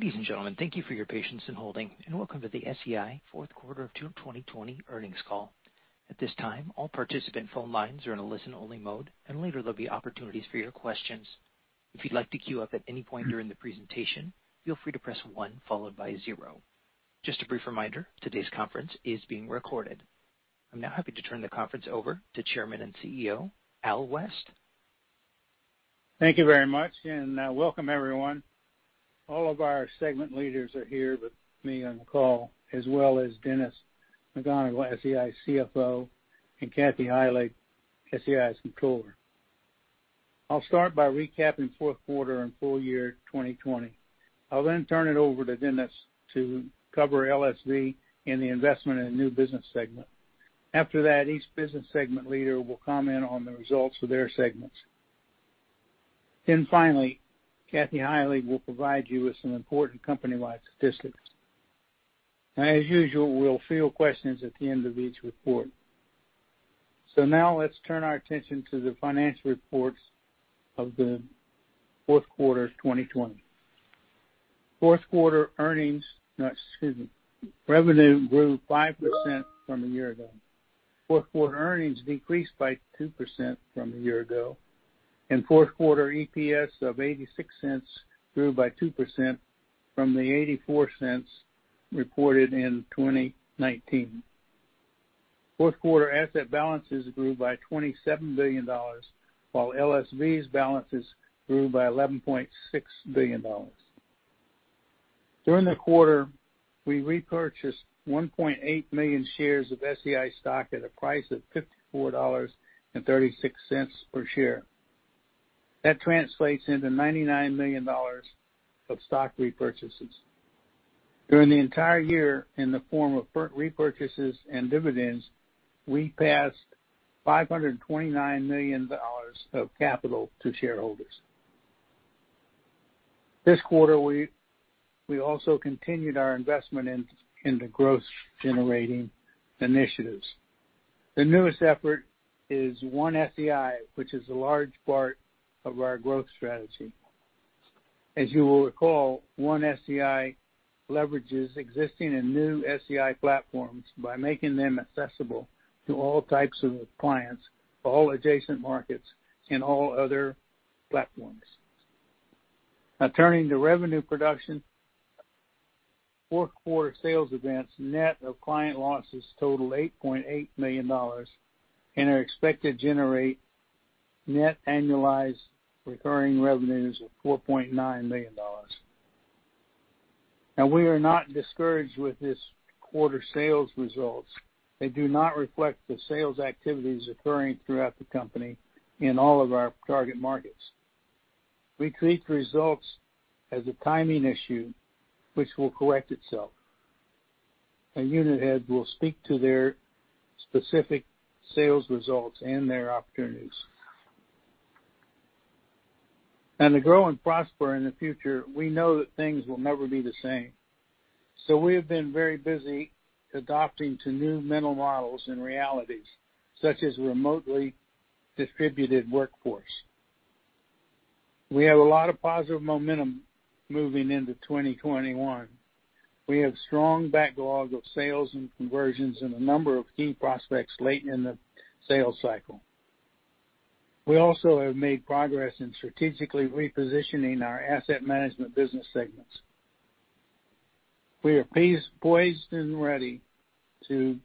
Ladies and gentlemen, thank you for your patience and holding, and welcome to the SEI fourth quarter 2020 earnings call. At this time, all participant phone lines are in a listen-only mode, and later there'll be opportunities for your questions. If you'd like to queue up at any point during the presentation, feel free to press one followed by zero. Just a brief reminder, today's conference is being recorded. I'm now happy to turn the conference over to Chairman and CEO, Al West. Thank you very much, welcome everyone. All of our segment leaders are here with me on the call as well as Dennis McGonigle, SEI CFO, and Kathy Heilig, SEI's Controller. I'll start by recapping fourth quarter and full year 2020. I'll turn it over to Dennis to cover LSV and the investment in new business segment. After that, each business segment leader will comment on the results for their segments. Finally, Kathy Heilig will provide you with some important company-wide statistics. As usual, we'll field questions at the end of each report. Now let's turn our attention to the financial reports of the fourth quarter 2020. Revenue grew 5% from a year ago. Fourth quarter earnings decreased by 2% from a year ago, fourth quarter EPS of $0.86 grew by 2% from the $0.84 reported in 2019. Fourth quarter asset balances grew by $27 billion, while LSV's balances grew by $11.6 billion. During the quarter, we repurchased 1.8 million shares of SEI stock at a price of $54.36 per share. That translates into $99 million of stock repurchases. During the entire year, in the form of repurchases and dividends, we passed $529 million of capital to shareholders. This quarter, we also continued our investment into growth-generating initiatives. The newest effort is One SEI, which is a large part of our growth strategy. As you will recall, One SEI leverages existing and new SEI platforms by making them accessible to all types of clients, all adjacent markets, and all other platforms. Now turning to revenue production. Fourth quarter sales events net of client losses total $8.8 million and are expected to generate net annualized recurring revenues of $4.9 million. Now, we are not discouraged with this quarter sales results. They do not reflect the sales activities occurring throughout the company in all of our target markets. We treat the results as a timing issue, which will correct itself. Our unit heads will speak to their specific sales results and their opportunities. To grow and prosper in the future, we know that things will never be the same. We have been very busy adapting to new mental models and realities, such as remotely distributed workforce. We have a lot of positive momentum moving into 2021. We have strong backlog of sales and conversions and a number of key prospects late in the sales cycle. We also have made progress in strategically repositioning our asset management business segments. We are poised and ready to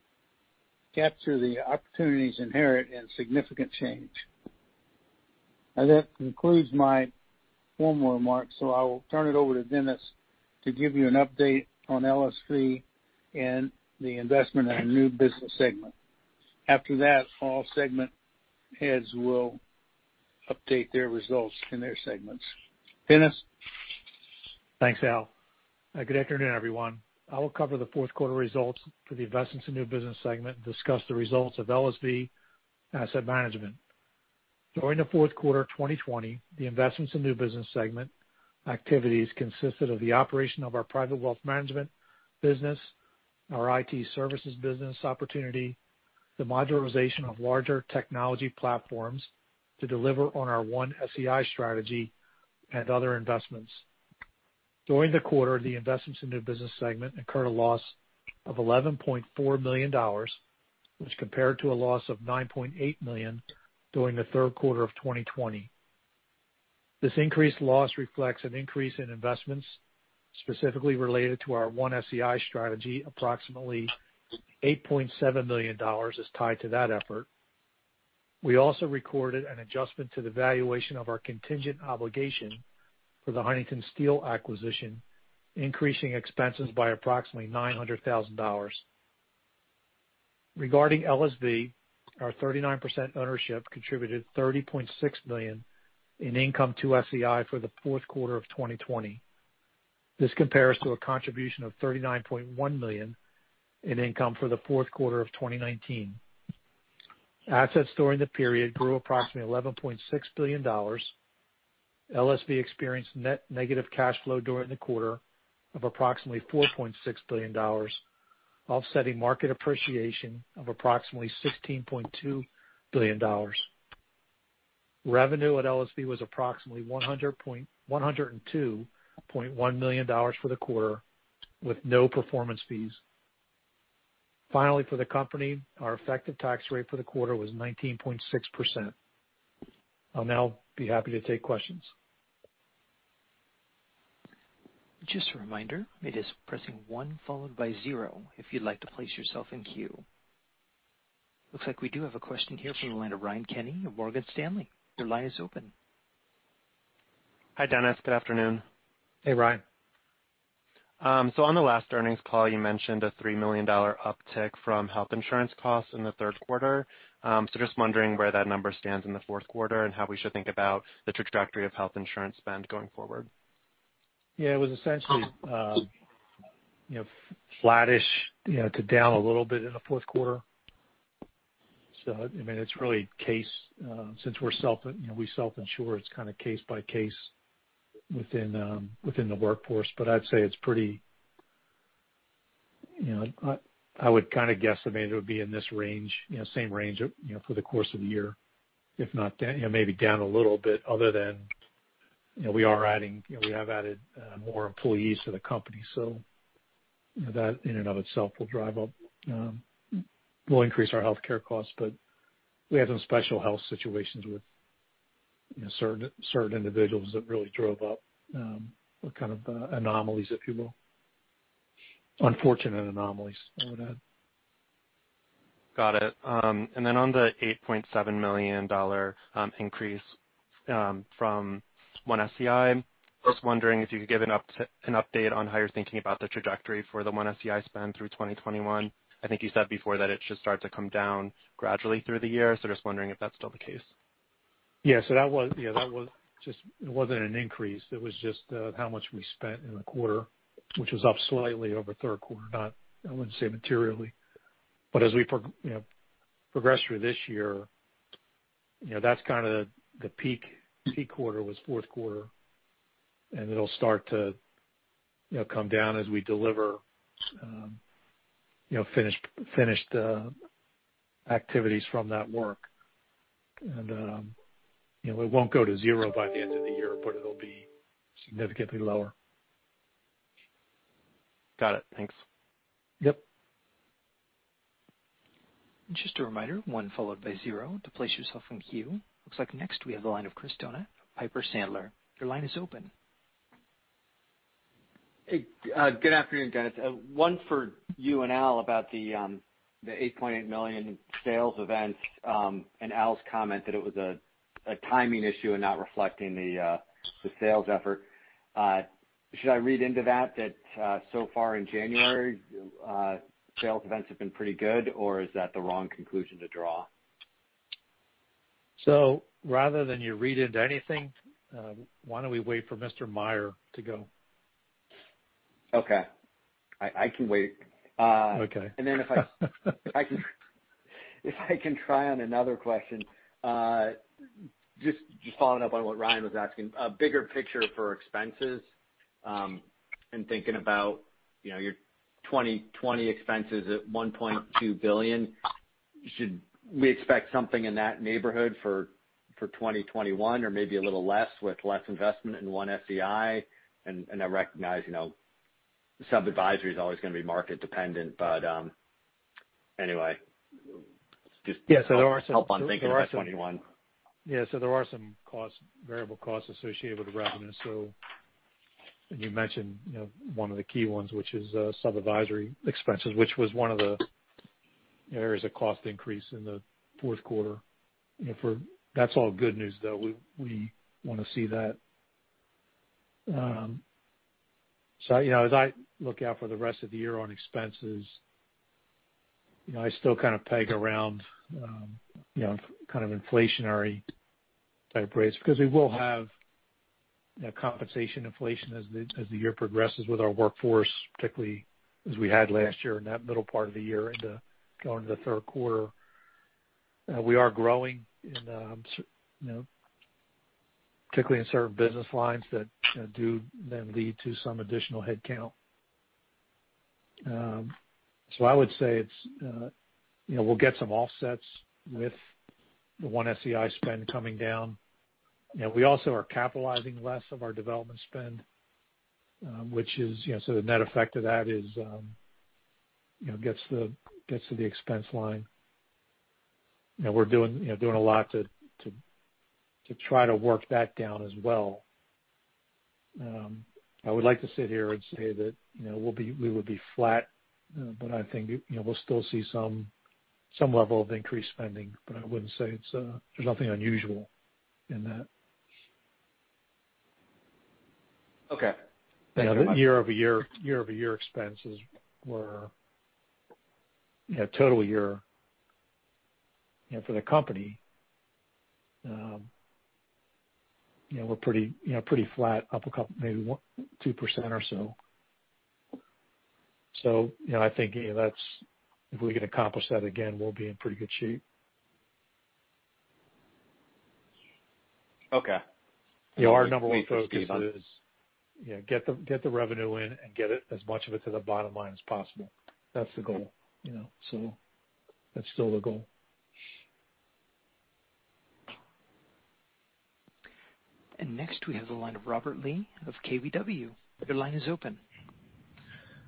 capture the opportunities inherent in significant change. That concludes my formal remarks. I will turn it over to Dennis to give you an update on LSV and the investment in a new business segment. After that, all segment heads will update their results in their segments. Dennis? Thanks, Al. Good afternoon, everyone. I will cover the fourth quarter results for the Investments in New Business segment, discuss the results of LSV Asset Management. During the fourth quarter 2020, the Investments in New Business segment activities consisted of the operation of our private wealth management business, our IT services business opportunity, the modularization of larger technology platforms to deliver on our One SEI strategy and other investments. During the quarter, the Investments in New Business segment incurred a loss of $11.4 million, which compared to a loss of $9.8 million during the third quarter of 2020. This increased loss reflects an increase in investments specifically related to our One SEI strategy. Approximately $8.7 million is tied to that effort. We also recorded an adjustment to the valuation of our contingent obligation for the Huntington Steele acquisition, increasing expenses by approximately $900,000. Regarding LSV, our 39% ownership contributed $30.6 million in income to SEI for the fourth quarter of 2020. This compares to a contribution of $39.1 million in income for the fourth quarter of 2019. Assets during the period grew approximately $11.6 billion. LSV experienced net negative cash flow during the quarter of approximately $4.6 billion, offsetting market appreciation of approximately $16.2 billion. Revenue at LSV was approximately $102.1 million for the quarter, with no performance fees. Finally, for the company, our effective tax rate for the quarter was 19.6%. I'll now be happy to take questions. Just a reminder it is pressing one followed by zero if you want to place yourself in queue. Looks like we do have a question here from the line of Ryan Kenny of Morgan Stanley. Your line is open. Hi, Dennis. Good afternoon. Hey, Ryan. On the last earnings call, you mentioned a $3 million uptick from health insurance costs in the third quarter. Just wondering where that number stands in the fourth quarter and how we should think about the trajectory of health insurance spend going forward. Yeah, it was essentially flattish to down a little bit in the fourth quarter. Since we self-insure, it's case by case within the workforce. I'd say I would guess that maybe it would be in this range, same range, for the course of the year, if not maybe down a little bit, other than we have added more employees to the company. That in and of itself will increase our healthcare costs. We had some special health situations with certain individuals that really drove up anomalies, if you will. Unfortunate anomalies, I would add. Got it. On the $8.7 million increase from One SEI, just wondering if you could give an update on how you're thinking about the trajectory for the One SEI spend through 2021? I think you said before that it should start to come down gradually through the year, just wondering if that's still the case? Yeah. That wasn't an increase. It was just how much we spent in the quarter, which was up slightly over third quarter. I wouldn't say materially. As we progress through this year, that's the peak quarter, was fourth quarter, and it'll start to come down as we deliver finished activities from that work. It won't go to zero by the end of the year, but it'll be significantly lower. Got it. Thanks. Yep. Just a reminder, one followed by zero to place yourself in queue. Looks like next we have the line of Chris Donat, Piper Sandler. Your line is open. Hey, good afternoon, Dennis. One for you and Al about the $8.8 million in sales events, and Al's comment that it was a timing issue and not reflecting the sales effort. Should I read into that so far in January, sales events have been pretty good, or is that the wrong conclusion to draw? Rather than you read into anything, why don't we wait for Mr. Meyer to go? Okay. I can wait. Okay. If I can try on another question, just following up on what Ryan was asking, a bigger picture for expenses, and thinking about your 2020 expenses at $1.2 billion, should we expect something in that neighborhood for 2021 or maybe a little less with less investment in One SEI? I recognize sub-advisory is always going to be market dependent. Yeah. Help on thinking about 2021. Yeah. There are some variable costs associated with the revenue. You mentioned one of the key ones, which is sub-advisory expenses, which was one of the areas of cost increase in the fourth quarter. That's all good news, though. We want to see that. As I look out for the rest of the year on expenses, I still peg around inflationary type rates because we will have compensation inflation as the year progresses with our workforce, particularly as we had last year in that middle part of the year into going to the third quarter. We are growing, particularly in certain business lines that do then lead to some additional headcount. I would say we'll get some offsets with the One SEI spend coming down. We also are capitalizing less of our development spend. The net effect of that gets to the expense line, and we're doing a lot to try to work that down as well. I would like to sit here and say that we would be flat, but I think we'll still see some level of increased spending. I wouldn't say there's nothing unusual in that. Okay. Thank you. Year-over-year expenses were total year for the company. We're pretty flat, up maybe 2% or so. I think if we can accomplish that again, we'll be in pretty good shape. Okay. Our number one focus is get the revenue in and get as much of it to the bottom line as possible. That's the goal. That's still the goal. Next we have the line of Robert Lee of KBW. Your line is open.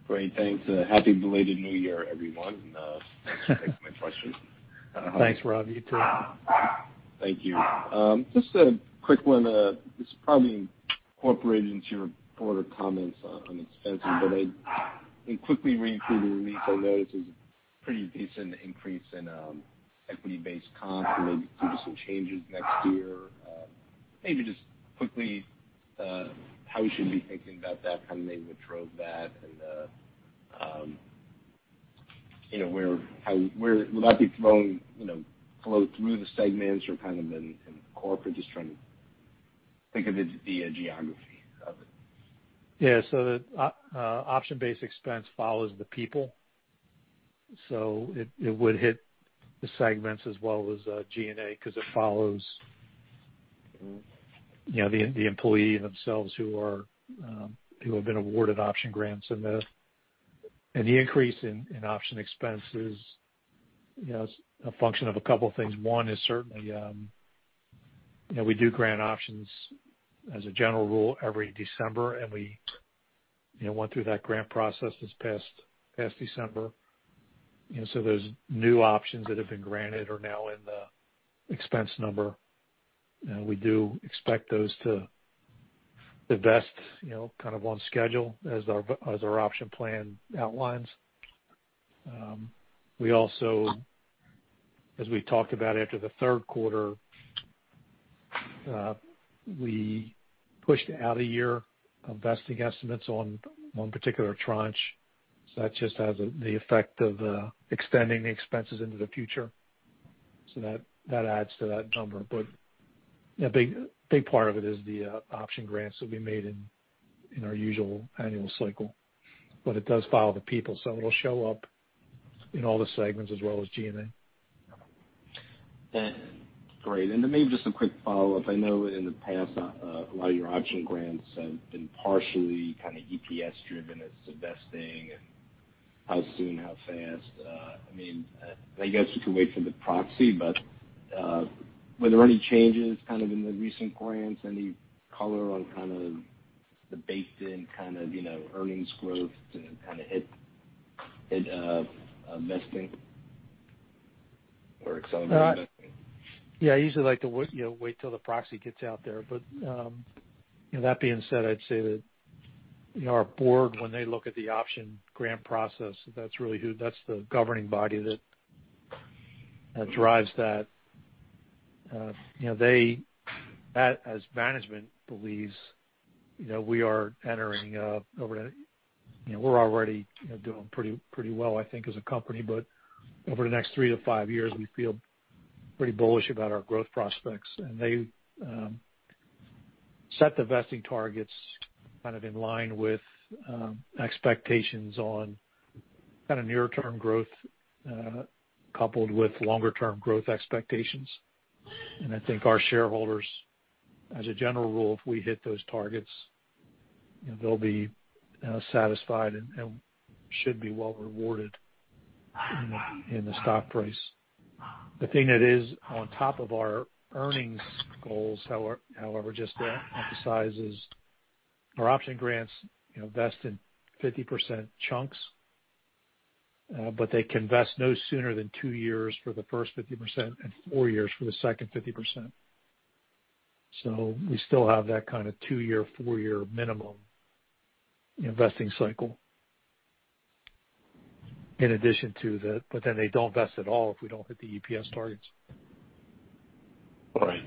Great. Thanks. Happy belated New Year, everyone. Thanks for taking my question. Thanks, Rob. You too. Thank you. Just a quick one. This is probably incorporated into your quarter comments on expenses, but in quickly reading through the release, I noticed there's a pretty decent increase in equity-based comp, and maybe due to some changes next year. Maybe just quickly how we should be thinking about that, kind of thing which drove that and will that be flowing through the segments or kind of in corporate? Just trying to think of it via geography of it. The option-based expense follows the people. It would hit the segments as well as G&A because it follows the employee themselves who have been awarded option grants. The increase in option expense is a function of a couple things. One is certainly we do grant options as a general rule every December, and we went through that grant process this past December. Those new options that have been granted are now in the expense number. We do expect those to vest on schedule as our option plan outlines. We also, as we talked about after the third quarter, we pushed out a year of vesting estimates on one particular tranche. That just has the effect of extending the expenses into the future. That adds to that number. A big part of it is the option grants that we made in our usual annual cycle. It does follow the people, so it'll show up in all the segments as well as G&A. Great. Then maybe just a quick follow-up. I know in the past, a lot of your option grants have been partially EPS driven as to vesting and how soon, how fast. I guess we can wait for the proxy, were there any changes in the recent grants? Any color on the baked-in earnings growth to hit vesting or accelerated vesting? Yeah. I usually like to wait till the proxy gets out there. That being said, I'd say that our Board, when they look at the option grant process, that's the governing body that drives that. As management believes, we're already doing pretty well, I think, as a company. Over the next three to five years, we feel pretty bullish about our growth prospects. They set the vesting targets in line with expectations on near-term growth coupled with longer-term growth expectations. I think our shareholders, as a general rule, if we hit those targets, they'll be satisfied and should be well rewarded in the stock price. The thing that is on top of our earnings goals, however, just to emphasize, is our option grants vest in 50% chunks. They can vest no sooner than two years for the first 50% and four years for the second 50%. We still have that kind of two-year, four-year minimum vesting cycle in addition to that. They don't vest at all if we don't hit the EPS targets. Right.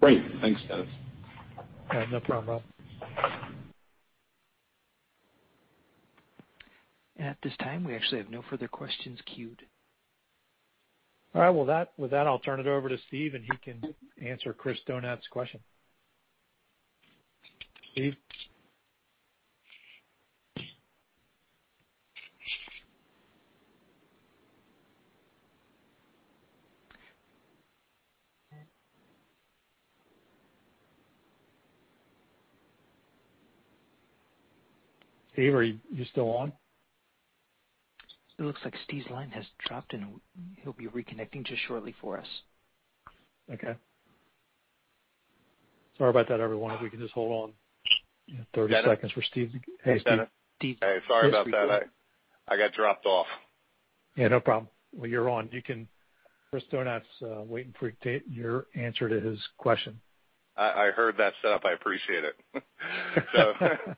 Great. Thanks, Dennis. Yeah, no problem, Rob. At this time, we actually have no further questions queued. All right. With that, I'll turn it over to Steve, and he can answer Chris Donat's question. Steve? Steve, are you still on? It looks like Steve's line has dropped, and he'll be reconnecting just shortly for us. Okay. Sorry about that, everyone. If we can just hold on 30 seconds for Steve. Dennis? Hey, Steve. Hey, sorry about that. I got dropped off. Yeah, no problem. Well, you're on. Chris Donat's waiting for your answer to his question. I heard that setup. I appreciate it.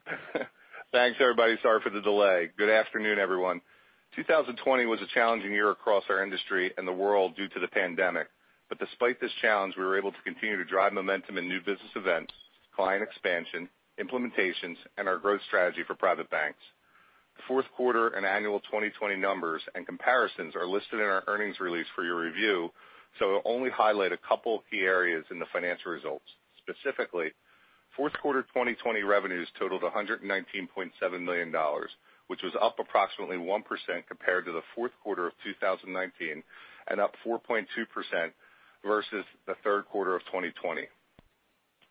Thanks, everybody. Sorry for the delay. Good afternoon, everyone. 2020 was a challenging year across our industry and the world due to the pandemic. Despite this challenge, we were able to continue to drive momentum in new business events, client expansion, implementations, and our growth strategy for private banks. The fourth quarter and annual 2020 numbers and comparisons are listed in our earnings release for your review, so I'll only highlight a couple of key areas in the financial results. Specifically, fourth quarter 2020 revenues totaled $119.7 million, which was up approximately 1% compared to the fourth quarter of 2019, and up 4.2% versus the third quarter of 2020.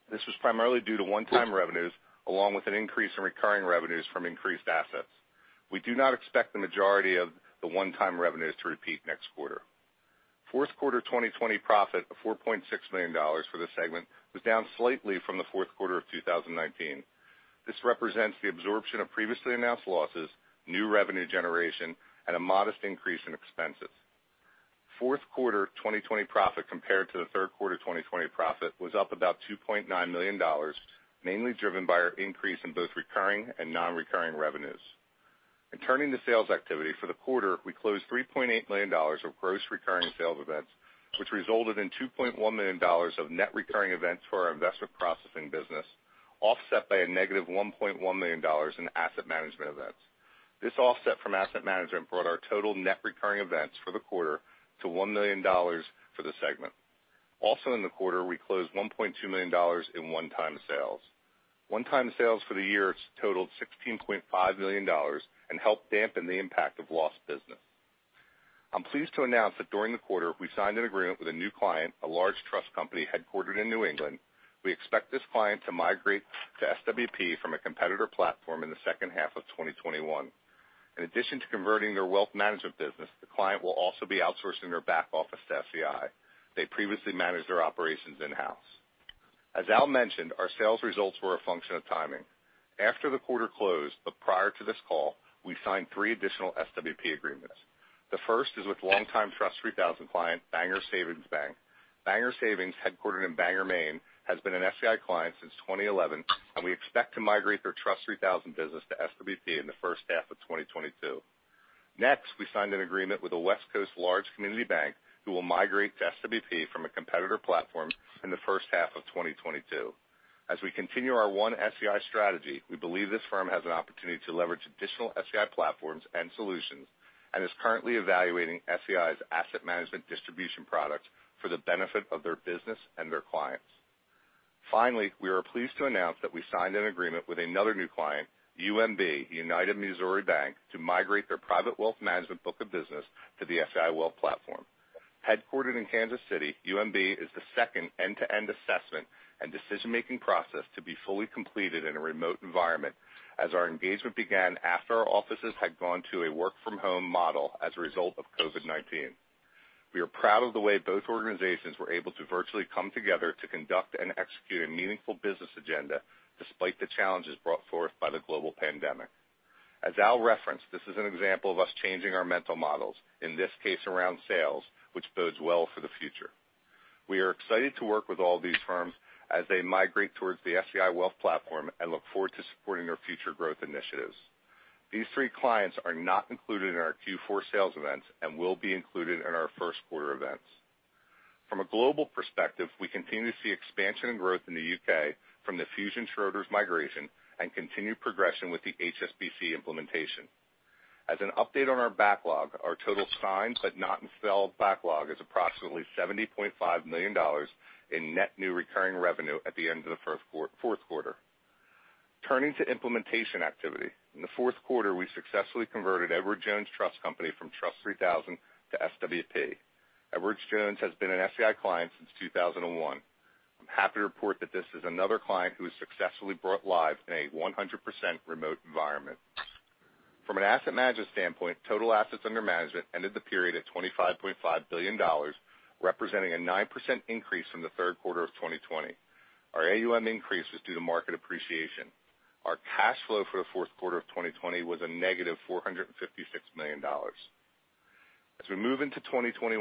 This was primarily due to one-time revenues, along with an increase in recurring revenues from increased assets. We do not expect the majority of the one-time revenues to repeat next quarter. Fourth quarter 2020 profit of $4.6 million for this segment was down slightly from the fourth quarter of 2019. This represents the absorption of previously announced losses, new revenue generation, and a modest increase in expenses. Fourth quarter 2020 profit compared to the third quarter 2020 profit was up about $2.9 million, mainly driven by our increase in both recurring and non-recurring revenues. Turning to sales activity, for the quarter, we closed $3.8 million of gross recurring sales events, which resulted in $2.1 million of net recurring events for our investment processing business, offset by a negative $1.1 million in asset management events. This offset from asset management brought our total net recurring events for the quarter to $1 million for the segment. Also, in the quarter, we closed $1.2 million in one-time sales. One-time sales for the year totaled $16.5 million and helped dampen the impact of lost business. I'm pleased to announce that during the quarter, we signed an agreement with a new client, a large trust company headquartered in New England. We expect this client to migrate to SWP from a competitor platform in the second half of 2021. In addition to converting their wealth management business, the client will also be outsourcing their back office to SEI. They previously managed their operations in-house. As Al mentioned, our sales results were a function of timing. After the quarter closed but prior to this call, we signed three additional SWP agreements. The first is with longtime TRUST 3000 client, Bangor Savings Bank. Bangor Savings, headquartered in Bangor, Maine, has been an SEI client since 2011, and we expect to migrate their TRUST 3000 business to SWP in the first half of 2022. We signed an agreement with a West Coast large community bank who will migrate to SWP from a competitor platform in the first half of 2022. As we continue our One SEI strategy, we believe this firm has an opportunity to leverage additional SEI platforms and solutions, and is currently evaluating SEI's asset management distribution product for the benefit of their business and their clients. We are pleased to announce that we signed an agreement with another new client, UMB, United Missouri Bank, to migrate their private wealth management book of business to the SEI Wealth Platform. Headquartered in Kansas City, UMB is the second end-to-end assessment and decision-making process to be fully completed in a remote environment, as our engagement began after our offices had gone to a work-from-home model as a result of COVID-19. We are proud of the way both organizations were able to virtually come together to conduct and execute a meaningful business agenda despite the challenges brought forth by the global pandemic. As Al referenced, this is an example of us changing our mental models, in this case, around sales, which bodes well for the future. We are excited to work with all these firms as they migrate towards the SEI Wealth Platform and look forward to supporting their future growth initiatives. These three clients are not included in our Q4 sales events and will be included in our first quarter events. From a global perspective, we continue to see expansion and growth in the U.K. from the Fusion Schroders migration and continued progression with the HSBC implementation. As an update on our backlog, our total signed but not installed backlog is approximately $70.5 million in net new recurring revenue at the end of the fourth quarter. Turning to implementation activity. In the fourth quarter, we successfully converted Edward Jones Trust Company from TRUST 3000 to SWP. Edward Jones has been an SEI client since 2001. I'm happy to report that this is another client who was successfully brought live in a 100% remote environment. From an asset management standpoint, total assets under management ended the period at $25.5 billion, representing a 9% increase from the third quarter of 2020. Our AUM increase was due to market appreciation. Our cash flow for the fourth quarter of 2020 was a negative $456 million. As we move into 2021,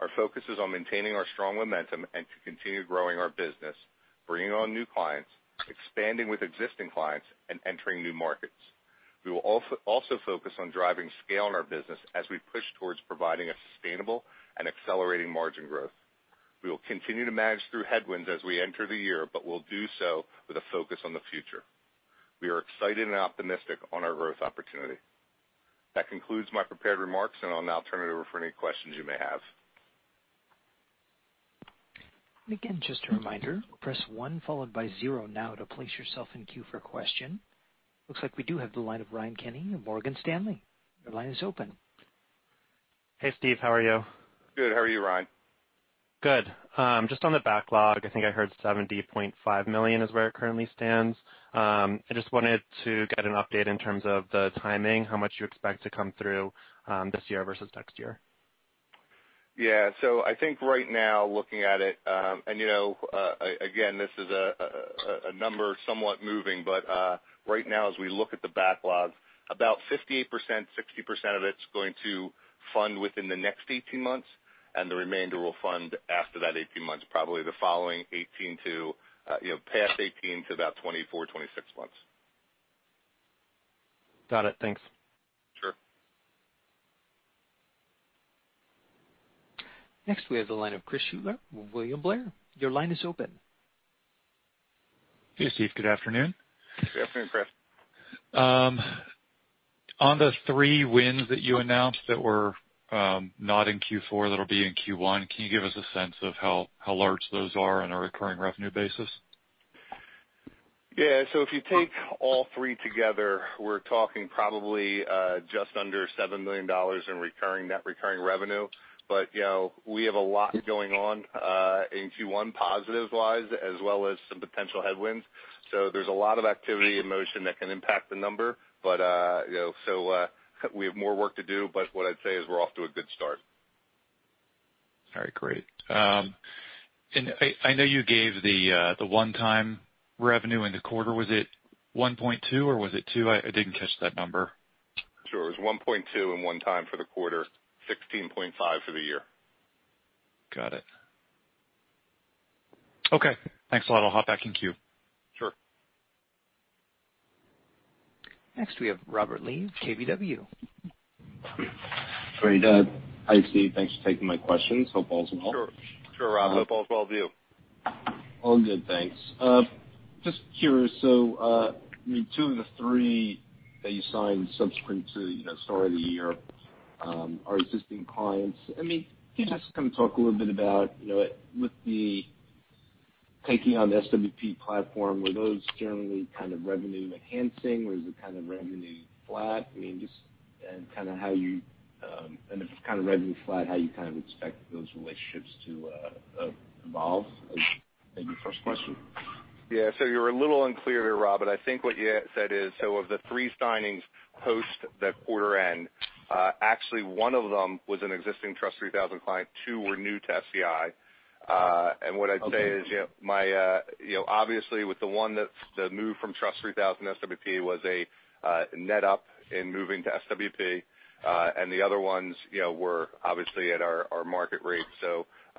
our focus is on maintaining our strong momentum and to continue growing our business, bringing on new clients, expanding with existing clients, and entering new markets. We will also focus on driving scale in our business as we push towards providing a sustainable and accelerating margin growth. We will continue to manage through headwinds as we enter the year, but we'll do so with a focus on the future. We are excited and optimistic on our growth opportunity. That concludes my prepared remarks. I'll now turn it over for any questions you may have. Looks like we do have the line of Ryan Kenney of Morgan Stanley. Your line is open. Hey, Steve. How are you? Good. How are you, Ryan? Good. Just on the backlog, I think I heard $70.5 million is where it currently stands. I just wanted to get an update in terms of the timing, how much you expect to come through this year versus next year. Yeah. I think right now, looking at it, and again, this is a number somewhat moving, but right now, as we look at the backlog, about 58%, 60% of it's going to fund within the next 18 months, and the remainder will fund after that 18 months, probably the following past 18 to about 24, 26 months. Got it. Thanks. Sure. Next, we have the line of Chris Shutler with William Blair. Your line is open Hey, Steve. Good afternoon. Good afternoon, Chris. On the three wins that you announced that were not in Q4, that'll be in Q1, can you give us a sense of how large those are on a recurring revenue basis? If you take all three together, we're talking probably just under $7 million in net recurring revenue. We have a lot going on in Q1 positive-wise as well as some potential headwinds. There's a lot of activity in motion that can impact the number. We have more work to do, but what I'd say is we're off to a good start. All right, great. I know you gave the one-time revenue in the quarter. Was it 1.2 or was it two? I didn't catch that number. Sure. It was $1.2 in one-time for the quarter, $16.5 for the year. Got it. Okay, thanks a lot. I'll hop back in queue. Sure. Next, we have Robert Lee, KBW. Great. Hi, Steve. Thanks for taking my questions. Hope all is well. Sure, Rob. Hope all is well with you. All good, thanks. Just curious, two of the three that you signed subsequent to the start of the year are existing clients. Can you just talk a little bit about with the taking on the SWP platform, were those generally kind of revenue enhancing? Was it kind of revenue flat? If it's kind of revenue flat, how you kind of expect those relationships to evolve? Maybe first question. Yeah. You were a little unclear there, Rob, but I think what you said is, so of the three signings post the quarter end, actually one of them was an existing TRUST 3000 client. Two were new to SEI. What I'd say is, obviously, with the one that moved from TRUST 3000, SWP was a net up in moving to SWP. The other ones were obviously at our market rate.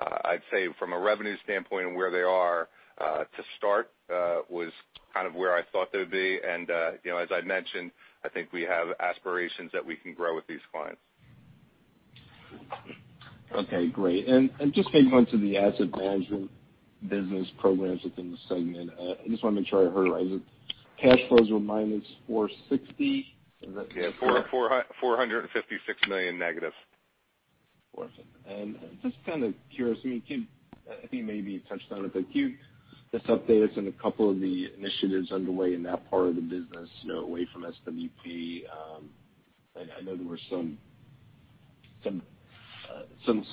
I'd say from a revenue standpoint and where they are to start, was kind of where I thought they would be. As I mentioned, I think we have aspirations that we can grow with these clients. Okay, great. Just maybe onto the asset management business programs within the segment. I just want to make sure I heard right. The cash flows were -$460. Is that correct? Yeah, $456 million negative. Just kind of curious, I think you maybe touched on it, but can you just update us on a couple of the initiatives underway in that part of the business away from SWP? I know there were some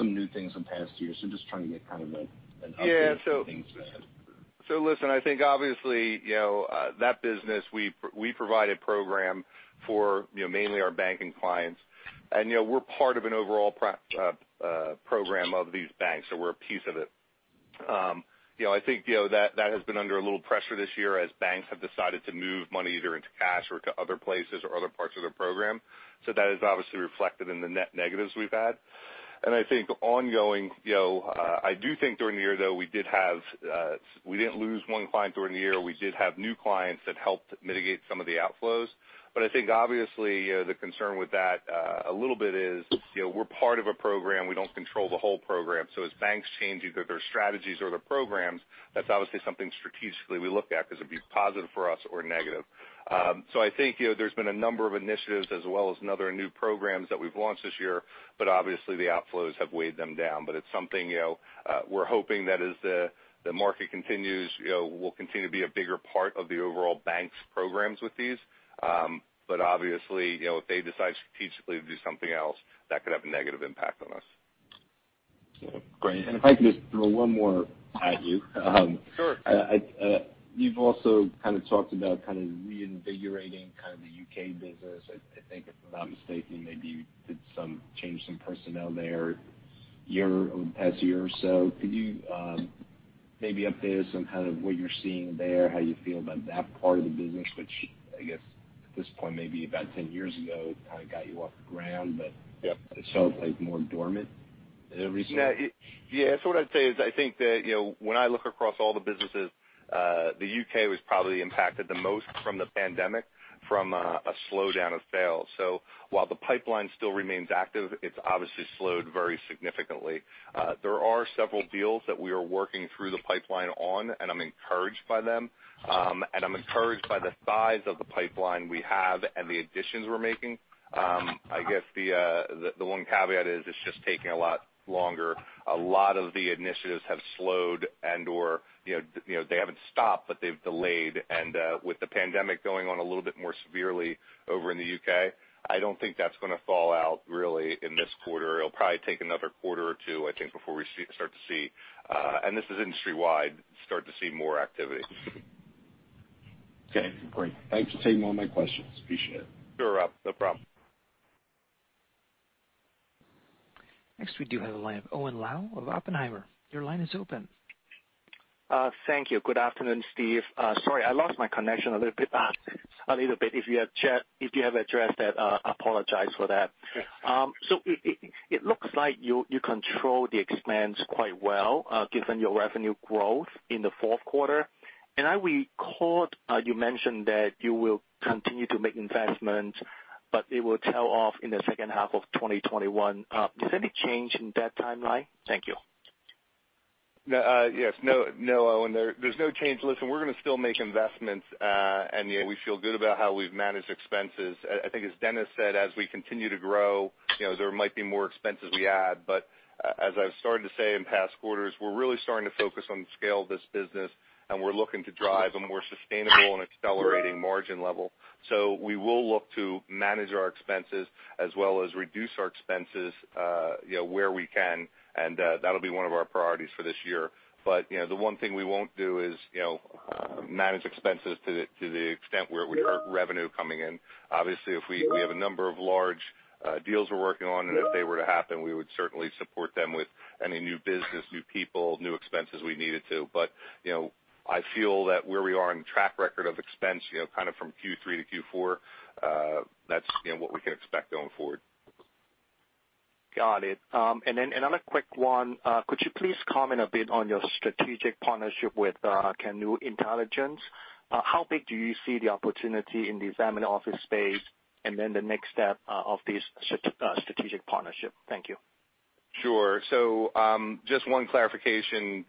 new things in past years. Just trying to get kind of an update on things there. Yeah. Listen, I think obviously, that business, we provide a program for mainly our banking clients. We're part of an overall program of these banks, so we're a piece of it. I think that has been under a little pressure this year as banks have decided to move money either into cash or to other places or other parts of their program. That is obviously reflected in the net negatives we've had. I think ongoing, I do think during the year, though, we didn't lose one client during the year. We did have new clients that helped mitigate some of the outflows. I think, obviously, the concern with that a little bit is we're part of a program. We don't control the whole program. As banks change either their strategies or their programs, that's obviously something strategically we look at because it'd be positive for us or negative. I think there's been a number of initiatives as well as other new programs that we've launched this year, obviously the outflows have weighed them down. It's something we're hoping that as the market continues, we'll continue to be a bigger part of the overall banks' programs with these. Obviously, if they decide strategically to do something else, that could have a negative impact on us. Great. If I could just throw one more at you. Sure. You've also kind of talked about reinvigorating the U.K. business. I think if I'm not mistaken, maybe you did change some personnel there over the past year or so. Could you maybe update us on what you're seeing there, how you feel about that part of the business, which I guess at this point, maybe about 10 years ago, kind of got you off the ground. Yep. It sounds like more dormant recently. Yeah. What I'd say is I think that when I look across all the businesses, the U.K. was probably impacted the most from the pandemic from a slowdown of sales. While the pipeline still remains active, it's obviously slowed very significantly. There are several deals that we are working through the pipeline on, and I'm encouraged by them. I'm encouraged by the size of the pipeline we have and the additions we're making. I guess the one caveat is it's just taking a lot longer. A lot of the initiatives have slowed and/or they haven't stopped, but they've delayed. With the pandemic going on a little bit more severely over in the U.K., I don't think that's going to fall out really in this quarter. It'll probably take another quarter or two, I think, before we start to see, and this is industry wide, start to see more activity. Okay, great. Thanks for taking all my questions. Appreciate it. Sure, Rob. No problem. Next we do have the line of Owen Lau of Oppenheimer. Your line is open. Thank you. Good afternoon, Steve. Sorry, I lost my connection a little bit. If you have addressed that, I apologize for that. It looks like you control the expense quite well given your revenue growth in the fourth quarter. I recalled you mentioned that you will continue to make investments It will tail off in the second half of 2021. Is there any change in that timeline? Thank you. Yes. No, Owen, there's no change. Listen, we're going to still make investments, and we feel good about how we've managed expenses. I think as Dennis said, as we continue to grow, there might be more expenses we add. As I've started to say in past quarters, we're really starting to focus on the scale of this business, and we're looking to drive a more sustainable and accelerating margin level. We will look to manage our expenses as well as reduce our expenses where we can, and that'll be one of our priorities for this year. The one thing we won't do is manage expenses to the extent where it would hurt revenue coming in. Obviously, we have a number of large deals we're working on, and if they were to happen, we would certainly support them with any new business, new people, new expenses we needed to. I feel that where we are on track record of expense, kind of from Q3-Q4, that's what we can expect going forward. Got it. Another quick one. Could you please comment a bit on your strategic partnership with Canoe Intelligence? How big do you see the opportunity in the family office space, and then the next step of this strategic partnership? Thank you. Sure. Just one clarification.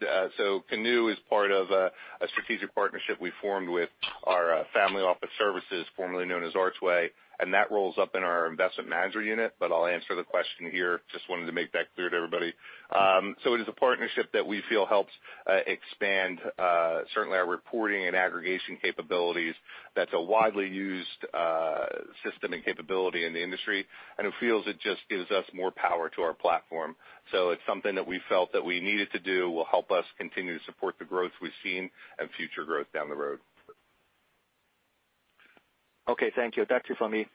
Canoe is part of a strategic partnership we formed with our family office services, formerly known as Archway, and that rolls up in our investment manager unit, but I'll answer the question here. Just wanted to make that clear to everybody. It is a partnership that we feel helps expand, certainly, our reporting and aggregation capabilities. That's a widely used system and capability in the industry, and it feels it just gives us more power to our platform. It's something that we felt that we needed to do, will help us continue to support the growth we've seen and future growth down the road. Okay, thank you. That's it for me.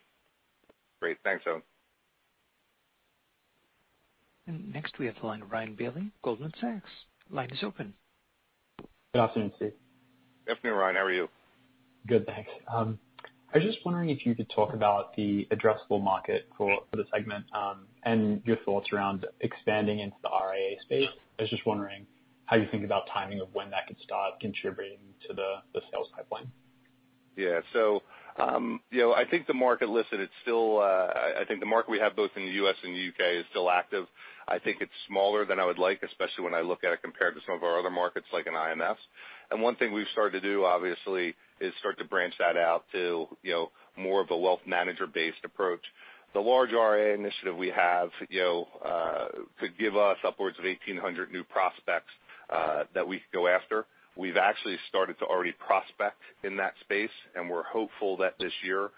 Great. Thanks, Owen. Next we have the line of Ryan Bailey, Goldman Sachs. Line is open. Good afternoon, Steve. Good afternoon, Ryan. How are you? Good, thanks. I was just wondering if you could talk about the addressable market for the segment and your thoughts around expanding into the RIA space. I was just wondering how you think about timing of when that could start contributing to the sales pipeline. I think the market we have both in the U.S. and U.K. is still active. I think it's smaller than I would like, especially when I look at it compared to some of our other markets like in IMS. One thing we've started to do, obviously, is start to branch that out to more of a wealth manager-based approach. The large RIA initiative we have could give us upwards of 1,800 new prospects that we could go after. We've actually started to already prospect in that space, and we're hopeful that this year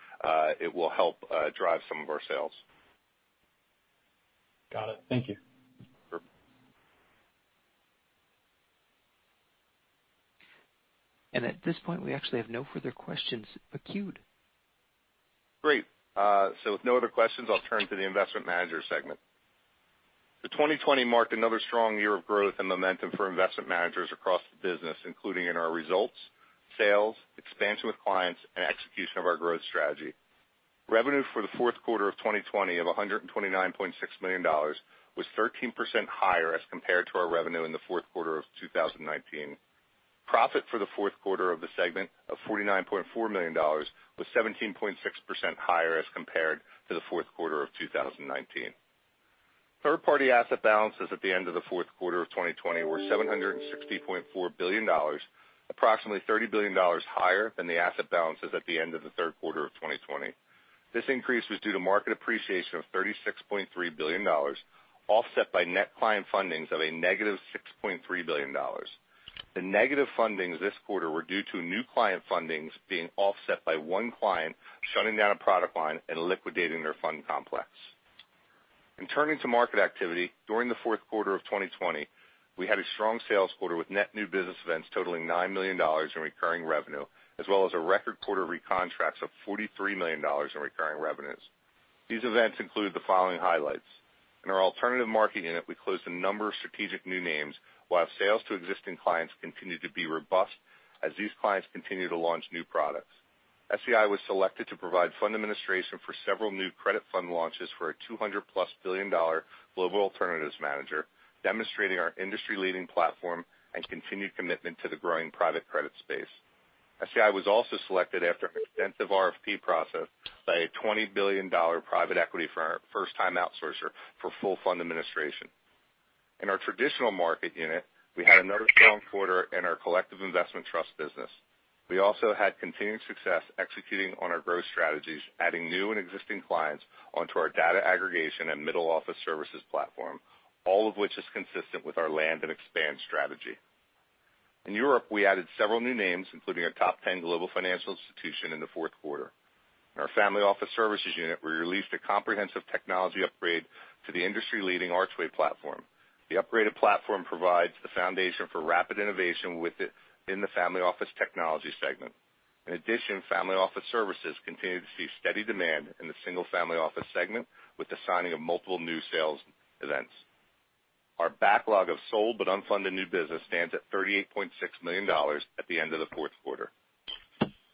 it will help drive some of our sales. Got it. Thank you. Sure. At this point, we actually have no further questions queued. Great. With no other questions, I'll turn to the Investment Manager Segment. 2020 marked another strong year of growth and momentum for investment managers across the business, including in our results, sales, expansion with clients, and execution of our growth strategy. Revenue for the fourth quarter of 2020 of $129.6 million was 13% higher as compared to our revenue in the fourth quarter of 2019. Profit for the fourth quarter of the segment of $49.4 million was 17.6% higher as compared to the fourth quarter of 2019. Third-party asset balances at the end of the fourth quarter of 2020 were $760.4 billion, approximately $30 billion higher than the asset balances at the end of the third quarter of 2020. This increase was due to market appreciation of $36.3 billion, offset by net client fundings of a -$6.3 billion. The negative fundings this quarter were due to new client fundings being offset by one client shutting down a product line and liquidating their fund complex. In turning to market activity, during the fourth quarter of 2020, we had a strong sales quarter with net new business events totaling $9 million in recurring revenue, as well as a record quarter recontracts of $43 million in recurring revenues. These events include the following highlights. In our alternative marketing unit, we closed a number of strategic new names, while sales to existing clients continued to be robust as these clients continue to launch new products. SEI was selected to provide fund administration for several new credit fund launches for a +$200 billion global alternatives manager, demonstrating our industry-leading platform and continued commitment to the growing private credit space. SEI was also selected after an extensive RFP process by a $20 billion private equity firm, first-time outsourcer, for full fund administration. In our traditional market unit, we had another strong quarter in our collective investment trust business. We also had continued success executing on our growth strategies, adding new and existing clients onto our data aggregation and middle office services platform. All of which is consistent with our land and expand strategy. In Europe, we added several new names, including a top 10 global financial institution in the fourth quarter. In our family office services unit, we released a comprehensive technology upgrade to the industry-leading Archway platform. The upgraded platform provides the foundation for rapid innovation within the family office technology segment. In addition, family office services continued to see steady demand in the single family office segment with the signing of multiple new sales events. Our backlog of sold but unfunded new business stands at $38.6 million at the end of the fourth quarter.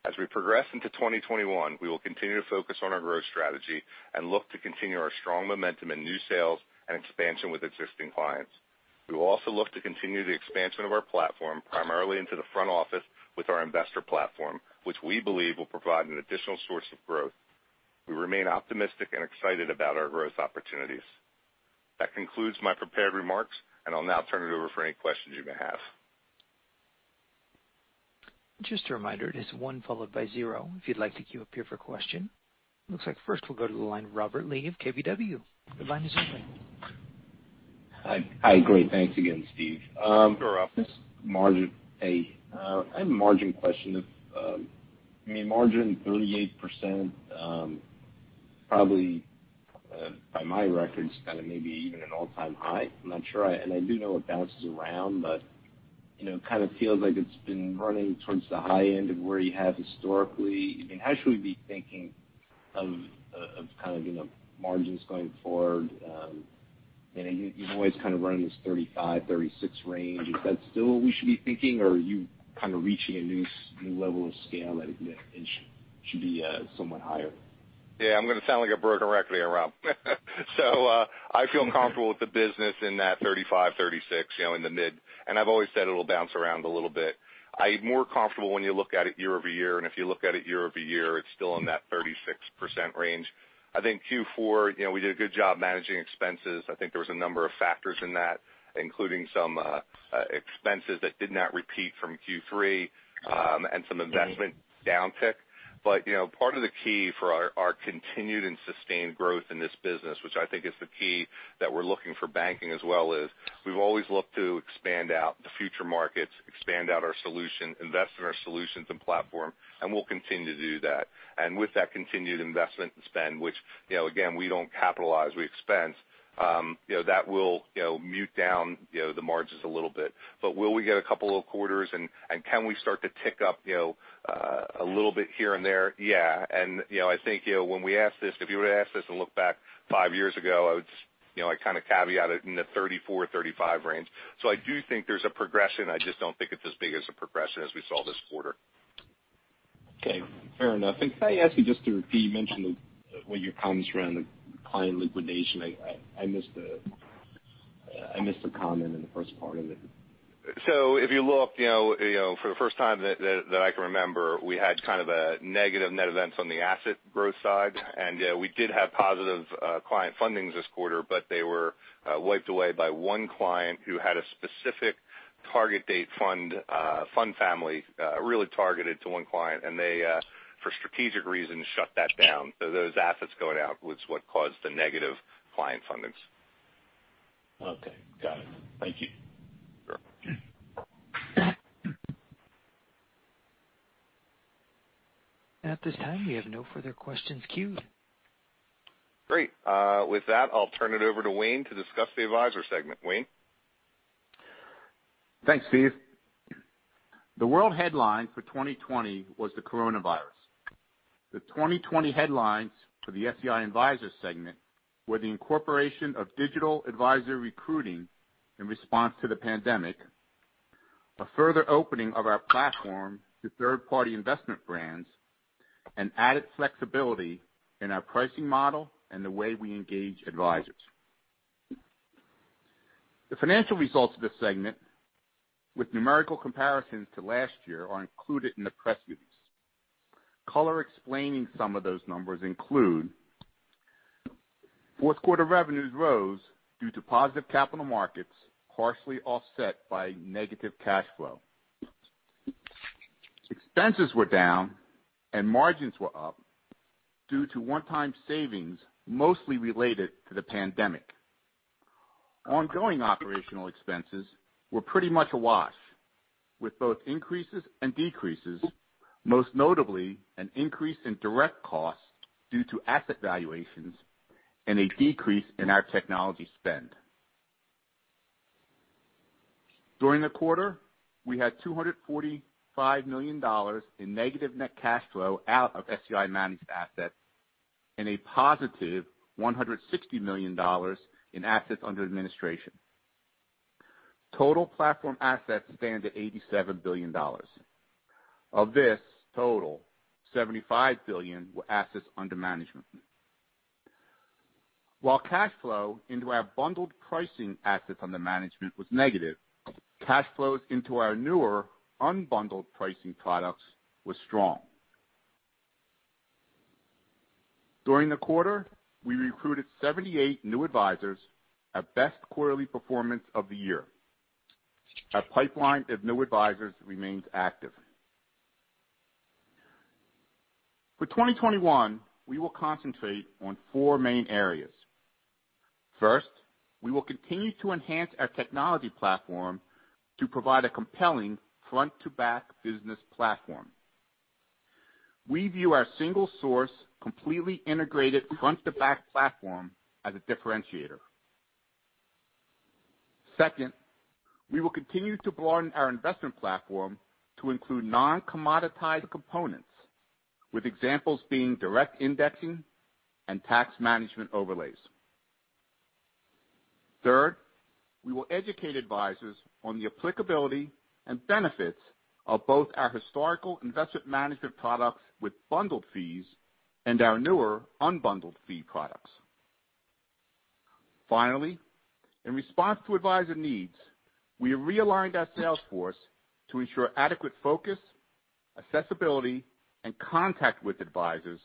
As we progress into 2021, we will continue to focus on our growth strategy and look to continue our strong momentum in new sales and expansion with existing clients. We will also look to continue the expansion of our platform, primarily into the front office with our investor platform, which we believe will provide an additional source of growth. We remain optimistic and excited about our growth opportunities. That concludes my prepared remarks, and I'll now turn it over for any questions you may have. Just a reminder, it is one followed by zero if you'd like to queue up here for a question. Looks like first we'll go to the line of Robert Lee of KBW. The line is open. Hi. Great. Thanks again, Steve. Sure, Rob. I have a margin question. I mean, margin 38%, probably by my records, kind of maybe even an all-time high. I'm not sure. And I do know it bounces around, but it kind of feels like it's been running towards the high end of where you have historically. How should we be thinking of margins going forward? You've always kind of run in this 35%, 36% range. Is that still what we should be thinking, or are you kind of reaching a new level of scale that it should be somewhat higher? Yeah, I'm going to sound like a broken record here, Rob. I feel comfortable with the business in that 35%, 36%, in the mid. I've always said it'll bounce around a little bit. I'm more comfortable when you look at it year-over-year. If you look at it year-over-year, it's still in that 36% range. I think Q4, we did a good job managing expenses. I think there was a number of factors in that, including some expenses that did not repeat from Q3, and some investment downtick. Part of the key for our continued and sustained growth in this business, which I think is the key that we're looking for banking as well as, we've always looked to expand out the future markets, expand out our solution, invest in our solutions and platform, and we'll continue to do that. With that continued investment and spend, which, again, we don't capitalize, we expense, that will mute down the margins a little bit. Will we get a couple of quarters and can we start to tick up a little bit here and there? Yeah. I think if you were to ask this and look back five years ago, I'd caveat it in the 34, 35 range. I do think there's a progression. I just don't think it's as big as a progression as we saw this quarter. Okay. Fair enough. Can I ask you just to repeat, you mentioned what your comments around the client liquidation? I missed the comment in the first part of it. If you look, for the first time that I can remember, we had kind of a negative net events on the asset growth side. We did have positive client fundings this quarter, but they were wiped away by one client who had a specific target date fund family, really targeted to one client. They for strategic reasons, shut that down. Those assets going out was what caused the negative client fundings. Okay. Got it. Thank you. Sure. At this time, we have no further questions queued. Great. With that, I'll turn it over to Wayne to discuss the Advisor Segment. Wayne? Thanks, Steve. The world headline for 2020 was the coronavirus. The 2020 headlines for the SEI Advisor segment were the incorporation of digital advisor recruiting in response to the pandemic, a further opening of our platform to third-party investment brands, and added flexibility in our pricing model and the way we engage advisors. The financial results of this segment with numerical comparisons to last year are included in the press release. Color explaining some of those numbers include, fourth quarter revenues rose due to positive capital markets partially offset by negative cash flow. Expenses were down and margins were up due to one-time savings, mostly related to the pandemic. Ongoing operational expenses were pretty much a wash, with both increases and decreases, most notably an increase in direct costs due to asset valuations and a decrease in our technology spend. During the quarter, we had $245 million in negative net cash flow out of SEI managed assets and a positive $160 million in assets under administration. Total platform assets stand at $87 billion. Of this total, $75 billion were assets under management. While cash flow into our bundled pricing assets under management was negative, cash flows into our newer unbundled pricing products were strong. During the quarter, we recruited 78 new advisors, our best quarterly performance of the year. Our pipeline of new advisors remains active. For 2021, we will concentrate on four main areas. First, we will continue to enhance our technology platform to provide a compelling front-to-back business platform. We view our single source, completely integrated front-to-back platform as a differentiator. Second, we will continue to broaden our investment platform to include non-commoditized components, with examples being direct indexing and tax management overlays. Third, we will educate advisors on the applicability and benefits of both our historical investment management products with bundled fees and our newer unbundled fee products. Finally, in response to advisor needs, we have realigned our sales force to ensure adequate focus, accessibility, and contact with advisors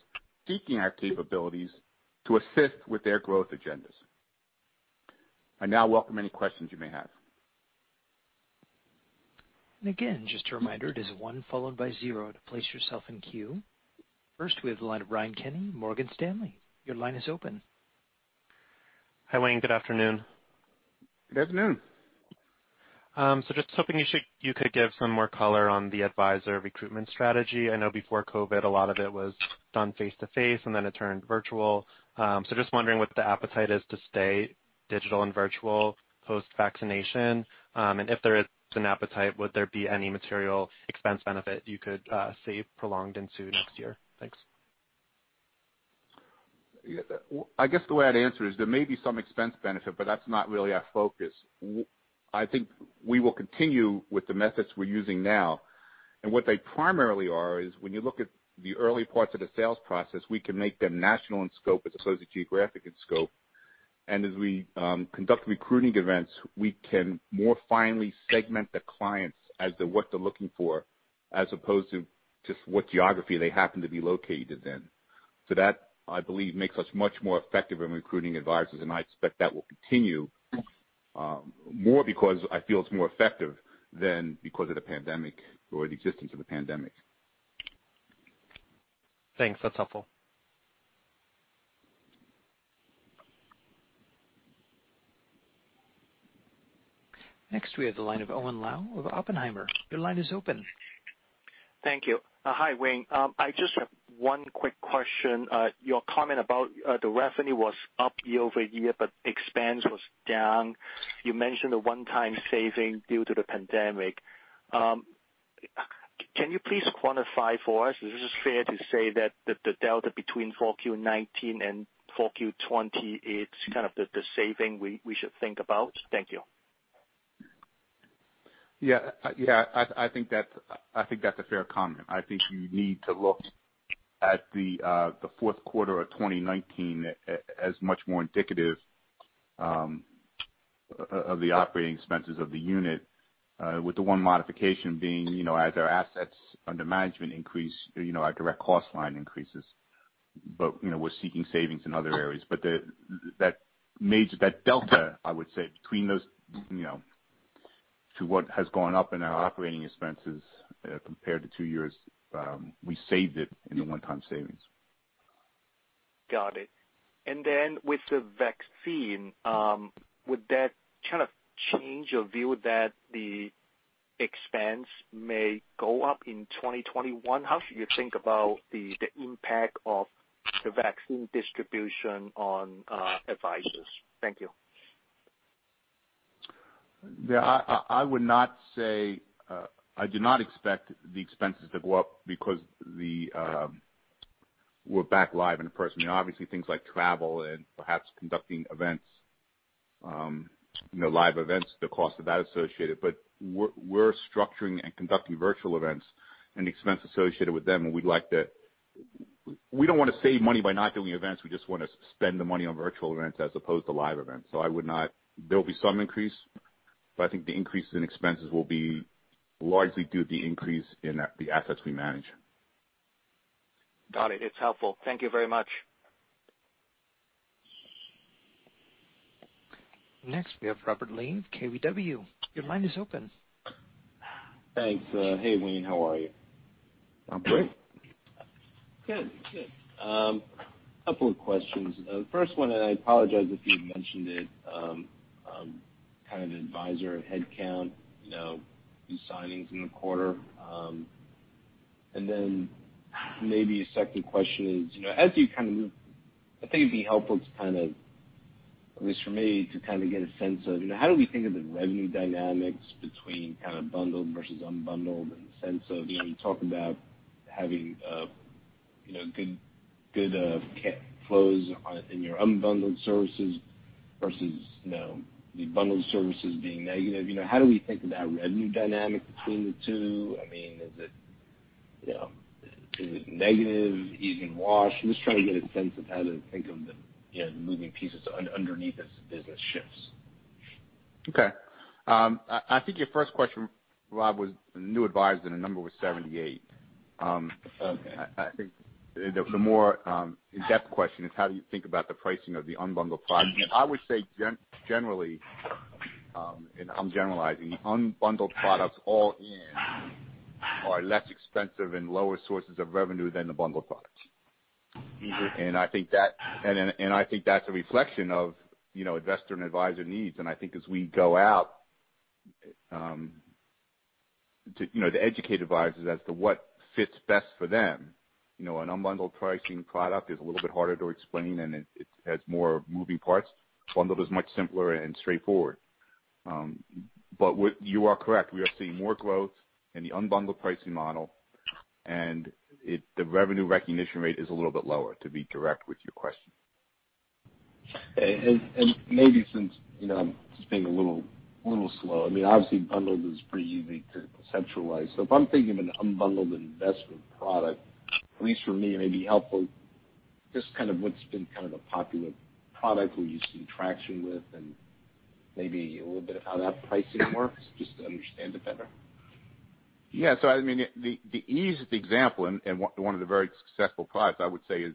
seeking our capabilities to assist with their growth agendas. I now welcome any questions you may have. Again, just a reminder, one followed by zero to place yourself in queue. First, we have the line of Ryan Kenny, Morgan Stanley. Your line is open. Hi, Wayne. Good afternoon. Good afternoon. Just hoping you could give some more color on the advisor recruitment strategy. I know before COVID-19, a lot of it was done face-to-face, and then it turned virtual. Just wondering what the appetite is to stay digital and virtual post-vaccination. If there is an appetite, would there be any material expense benefit you could see prolonged into next year? Thanks. I guess the way I'd answer is there may be some expense benefit, but that's not really our focus. I think we will continue with the methods we're using now, and what they primarily are is when you look at the early parts of the sales process, we can make them national in scope as opposed to geographic in scope. As we conduct recruiting events, we can more finely segment the clients as to what they're looking for as opposed to just what geography they happen to be located in. That, I believe, makes us much more effective in recruiting advisors, and I expect that will continue, more because I feel it's more effective than because of the pandemic or the existence of the pandemic. Thanks. That's helpful. Next, we have the line of Owen Lau with Oppenheimer. Your line is open. Thank you. Hi, Wayne. I just have one quick question. Your comment about the revenue was up year-over-year, but expense was down. You mentioned the one-time saving due to the pandemic. Can you please quantify for us, is it fair to say that the delta between 4Q 2019 and 4Q 2020 is kind of the saving we should think about? Thank you. Yeah. I think that's a fair comment. I think you need to look at the fourth quarter of 2019 as much more indicative of the operating expenses of the unit. With the one modification being as our assets under management increase, our direct cost line increases. We're seeking savings in other areas. That delta, I would say, between those to what has gone up in our operating expenses compared to two years, we saved it in the one-time savings. Got it. Then with the vaccine, would that kind of change your view that the expense may go up in 2021? How should you think about the impact of the vaccine distribution on advisors? Thank you. Yeah, I do not expect the expenses to go up because we're back live in person. Obviously things like travel and perhaps conducting events, live events, the cost of that associated, but we're structuring and conducting virtual events and the expense associated with them. We don't want to save money by not doing events. We just want to spend the money on virtual events as opposed to live events. There will be some increase, but I think the increase in expenses will be largely due to the increase in the assets we manage. Got it. It's helpful. Thank you very much. Next, we have Robert Lee of KBW. Your line is open. Thanks. Hey, Wayne. How are you? I'm great. Good. A couple of questions. First one, I apologize if you've mentioned it, kind of advisor headcount, new signings in the quarter? Then maybe a second question is, I think it'd be helpful to kind of, at least for me, to get a sense of how do we think of the revenue dynamics between kind of bundled versus unbundled in the sense of you talking about having good flows in your unbundled services versus the bundled services being negative. How do we think of that revenue dynamic between the two? Is it negative, even wash? I'm just trying to get a sense of how to think of the moving pieces underneath as the business shifts. Okay. I think your first question, Rob, was new advisors. The number was 78. Okay. I think the more in-depth question is how do you think about the pricing of the unbundled product? I would say generally, and I'm generalizing, unbundled products all in are less expensive and lower sources of revenue than the bundled products. I think that's a reflection of investor and advisor needs. I think as we go out to educate advisors as to what fits best for them, an unbundled pricing product is a little bit harder to explain, and it has more moving parts. Bundled is much simpler and straightforward. You are correct. We are seeing more growth in the unbundled pricing model. The revenue recognition rate is a little bit lower, to be direct with your question. Okay. Maybe since, I'm just being a little slow. Obviously, bundled is pretty easy to centralize. If I'm thinking of an unbundled investment product, at least for me, it may be helpful, just what's been kind of a popular product, who you see traction with, and maybe a little bit of how that pricing works, just to understand it better. Yeah. The easiest example, and one of the very successful products, I would say, is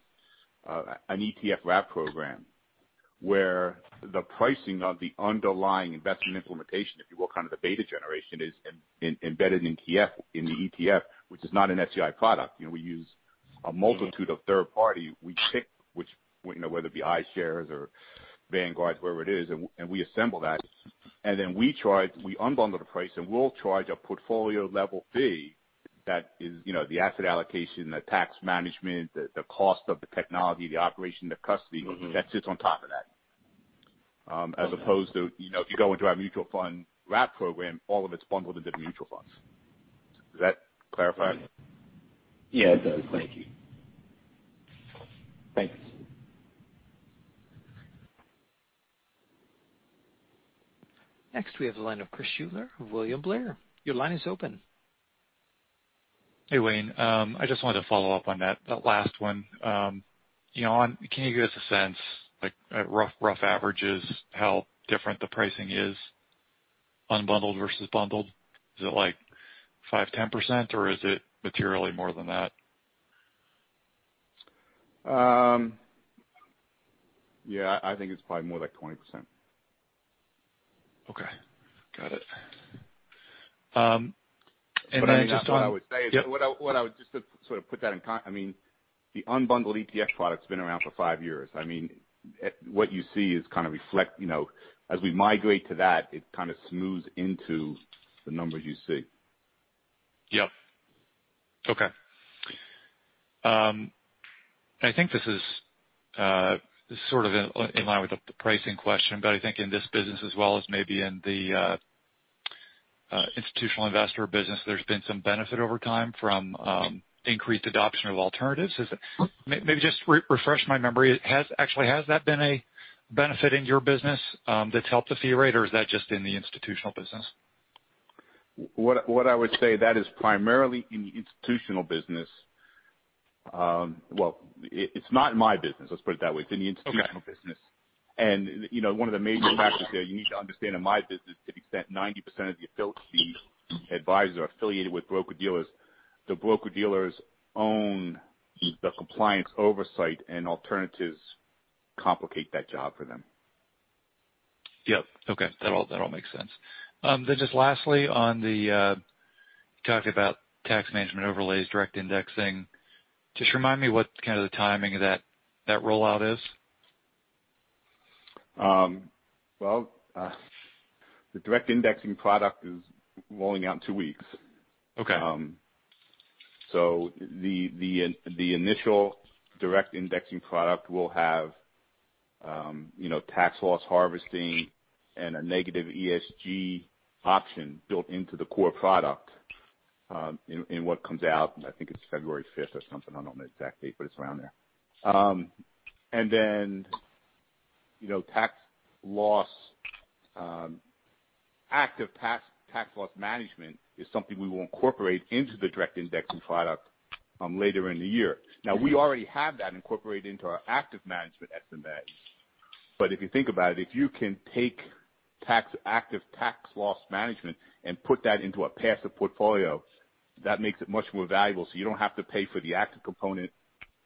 an ETF wrap program, where the pricing of the underlying investment implementation, if you will, kind of the beta generation, is embedded in the ETF, which is not an SEI product. We use a multitude of third party. We pick whether it be iShares or Vanguard, whoever it is, and we assemble that. We unbundle the price, and we'll charge a portfolio-level fee that is the asset allocation, the tax management, the cost of the technology, the operation, the custody, that sits on top of that. As opposed to, if you go into our mutual fund wrap program, all of it's bundled into the mutual funds. Does that clarify? Yeah, it does. Thank you. Thanks. Next, we have the line of Chris Shutler of William Blair. Your line is open. Hey, Wayne. I just wanted to follow up on that last one. Can you give us a sense, like rough averages, how different the pricing is, unbundled versus bundled? Is it like 5%, 10%, or is it materially more than that? Yeah, I think it's probably more like 20%. Okay. Got it. What I would say is- Yep. The unbundled ETF product's been around for five years. What you see is kind of reflect, as we migrate to that, it kind of smooths into the numbers you see. Yep. Okay. I think this is sort of in line with the pricing question, but I think in this business as well as maybe in the institutional investor business, there's been some benefit over time from increased adoption of alternatives. Maybe just refresh my memory. Actually, has that been a benefit in your business that's helped the fee rate, or is that just in the institutional business? What I would say, that is primarily in the institutional business. Well, it's not in my business, let's put it that way. It's in the institutional business. Okay. One of the major factors there you need to understand, in my business, to the extent 90% of the advisors are affiliated with broker-dealers. The broker-dealers own the compliance oversight, and alternatives complicate that job for them. Yep. Okay. That all makes sense. Just lastly, you talked about tax management overlays, direct indexing. Just remind me what kind of the timing of that rollout is. Well, the direct indexing product is rolling out in two weeks. Okay. The initial direct indexing product will have tax loss harvesting and a negative ESG option built into the core product in what comes out, I think it's February 5th or something. I don't know the exact date, but it's around there. Active tax loss management is something we will incorporate into the direct indexing product later in the year. Now, we already have that incorporated into our active management SMA management. If you think about it, if you can take active tax loss management and put that into a passive portfolio, that makes it much more valuable. You don't have to pay for the active component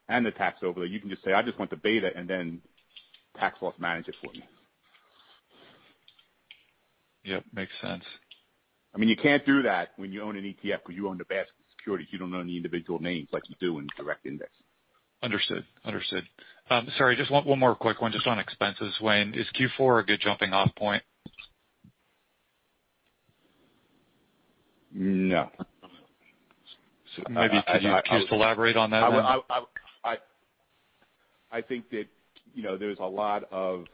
and the tax overlay. You can just say, "I just want the beta, and then tax loss manage it for me. Yep, makes sense. You can't do that when you own an ETF, because you own the basket of securities. You don't own the individual names like you do in direct index. Understood. Sorry, just one more quick one, just on expenses, Wayne. Is Q4 a good jumping off point? No. Maybe could you just elaborate on that then? I think that there's a lot of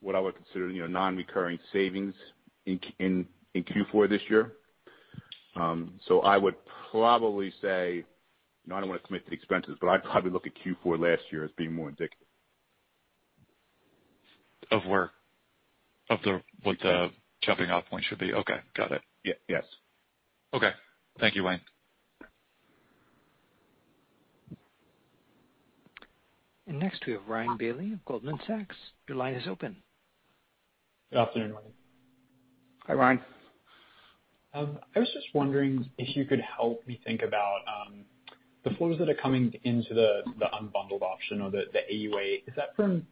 what I would consider non-recurring savings in Q4 this year. I would probably say, I don't want to commit to the expenses, but I'd probably look at Q4 last year as being more indicative. Of where? Of what the jumping off point should be? Okay. Got it. Yes. Okay. Thank you, Wayne. Next we have Ryan Bailey of Goldman Sachs. Your line is open. Good afternoon, Wayne. Hi, Ryan. I was just wondering if you could help me think about the flows that are coming into the unbundled option or the AUA. Is that from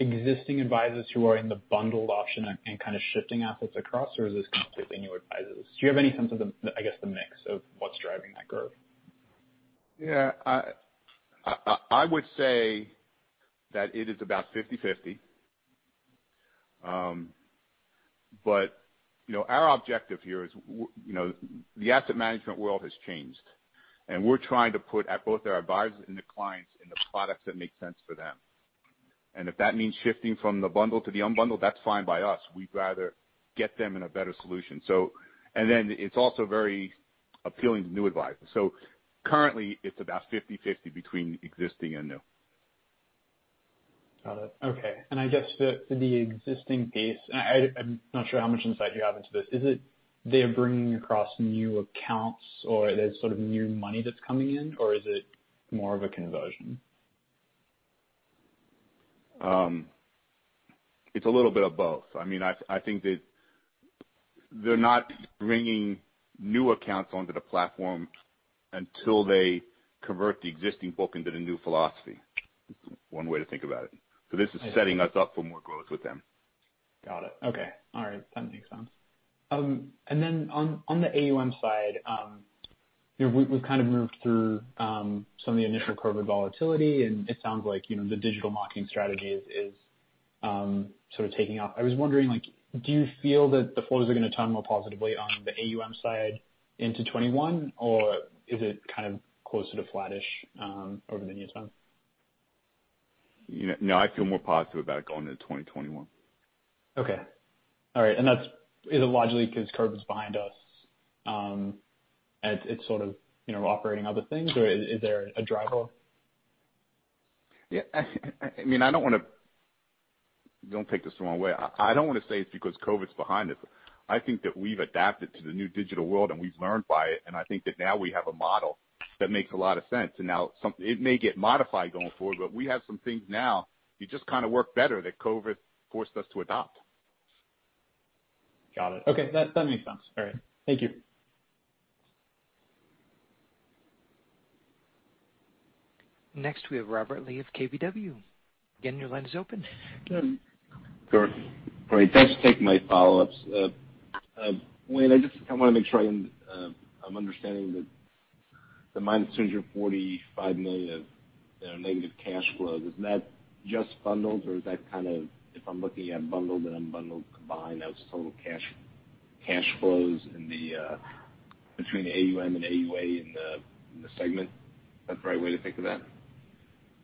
existing advisors who are in the bundled option and kind of shifting assets across, or is this completely new advisors? Do you have any sense of the mix of what's driving that growth? I would say that it is about 50/50. Our objective here is, the asset management world has changed, and we're trying to put both our advisors and the clients in the products that make sense for them. If that means shifting from the bundle to the unbundle, that's fine by us. We'd rather get them in a better solution. It's also very appealing to new advisors. Currently, it's about 50/50 between existing and new. Got it. Okay. I guess the existing base, I'm not sure how much insight you have into this. Is it they're bringing across new accounts or there's sort of new money that's coming in? Or is it more of a conversion? It's a little bit of both. I think that they're not bringing new accounts onto the platform until they convert the existing book into the new philosophy. One way to think about it. This is setting us up for more growth with them. Got it. Okay. All right. That makes sense. On the AUM side, we've kind of moved through some of the initial COVID volatility, and it sounds like the digital marketing strategy is sort of taking off. I was wondering, do you feel that the flows are going to turn more positively on the AUM side into 2021, or is it kind of closer to flattish over the near term? No, I feel more positive about it going into 2021. Okay. All right. That's logically because COVID's behind us. It's sort of operating other things, or is there a driver? Yeah. Don't take this the wrong way. I don't want to say it's because COVID-19's behind us. I think that we've adapted to the new digital world, and we've learned by it, and I think that now we have a model that makes a lot of sense. Now it may get modified going forward, but we have some things now that just kind of work better that COVID-19 forced us to adopt. Got it. Okay. That makes sense. All right. Thank you. Next, we have Robert Lee of KBW. Again, your line is open. Sure. Great. Thanks for taking my follow-ups. Wayne, I just kind of want to make sure I'm understanding the minus $245 million of negative cash flow. Is that just bundled, or is that kind of, if I'm looking at bundled and unbundled combined, that was total cash flows between the AUM and the AUA in the segment? Is that the right way to think of that?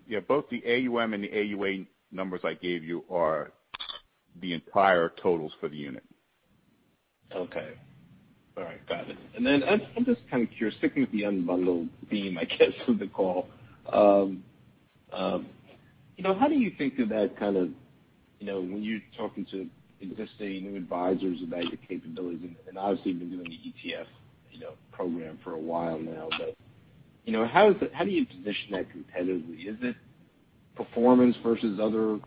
Yeah, both the AUM and the AUA numbers I gave you are the entire totals for the unit. Okay. All right. Got it. I'm just kind of curious, sticking with the unbundled theme, I guess, for the call. How do you think of that kind of when you're talking to existing new advisors about your capabilities, and obviously, you've been doing the ETF program for a while now. How do you position that competitively? Is it performance versus other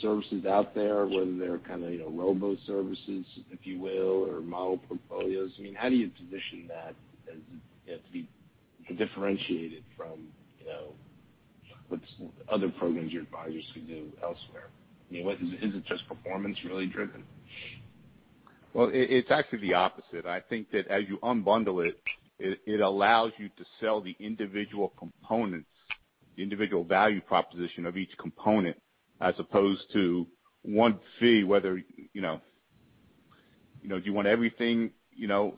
services out there, whether they're kind of robo services, if you will, or model portfolios? How do you position that to be differentiated from other programs your advisors could do elsewhere? Is it just performance really driven? Well, it's actually the opposite. I think that as you unbundle it allows you to sell the individual components, the individual value proposition of each component, as opposed to one fee. Do you want everything on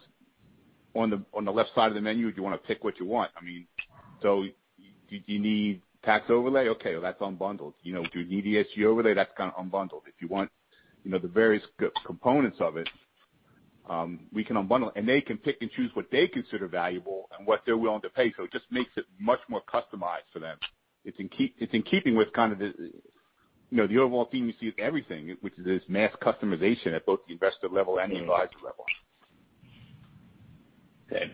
the left side of the menu? Do you want to pick what you want? Do you need tax overlay? Okay, well, that's unbundled. Do you need ESG overlay? That's kind of unbundled. If you want the various components of it, we can unbundle, and they can pick and choose what they consider valuable and what they're willing to pay. It just makes it much more customized for them. It's in keeping with kind of the overall theme you see with everything, which is this mass customization at both the investor level and the advisor level. Okay.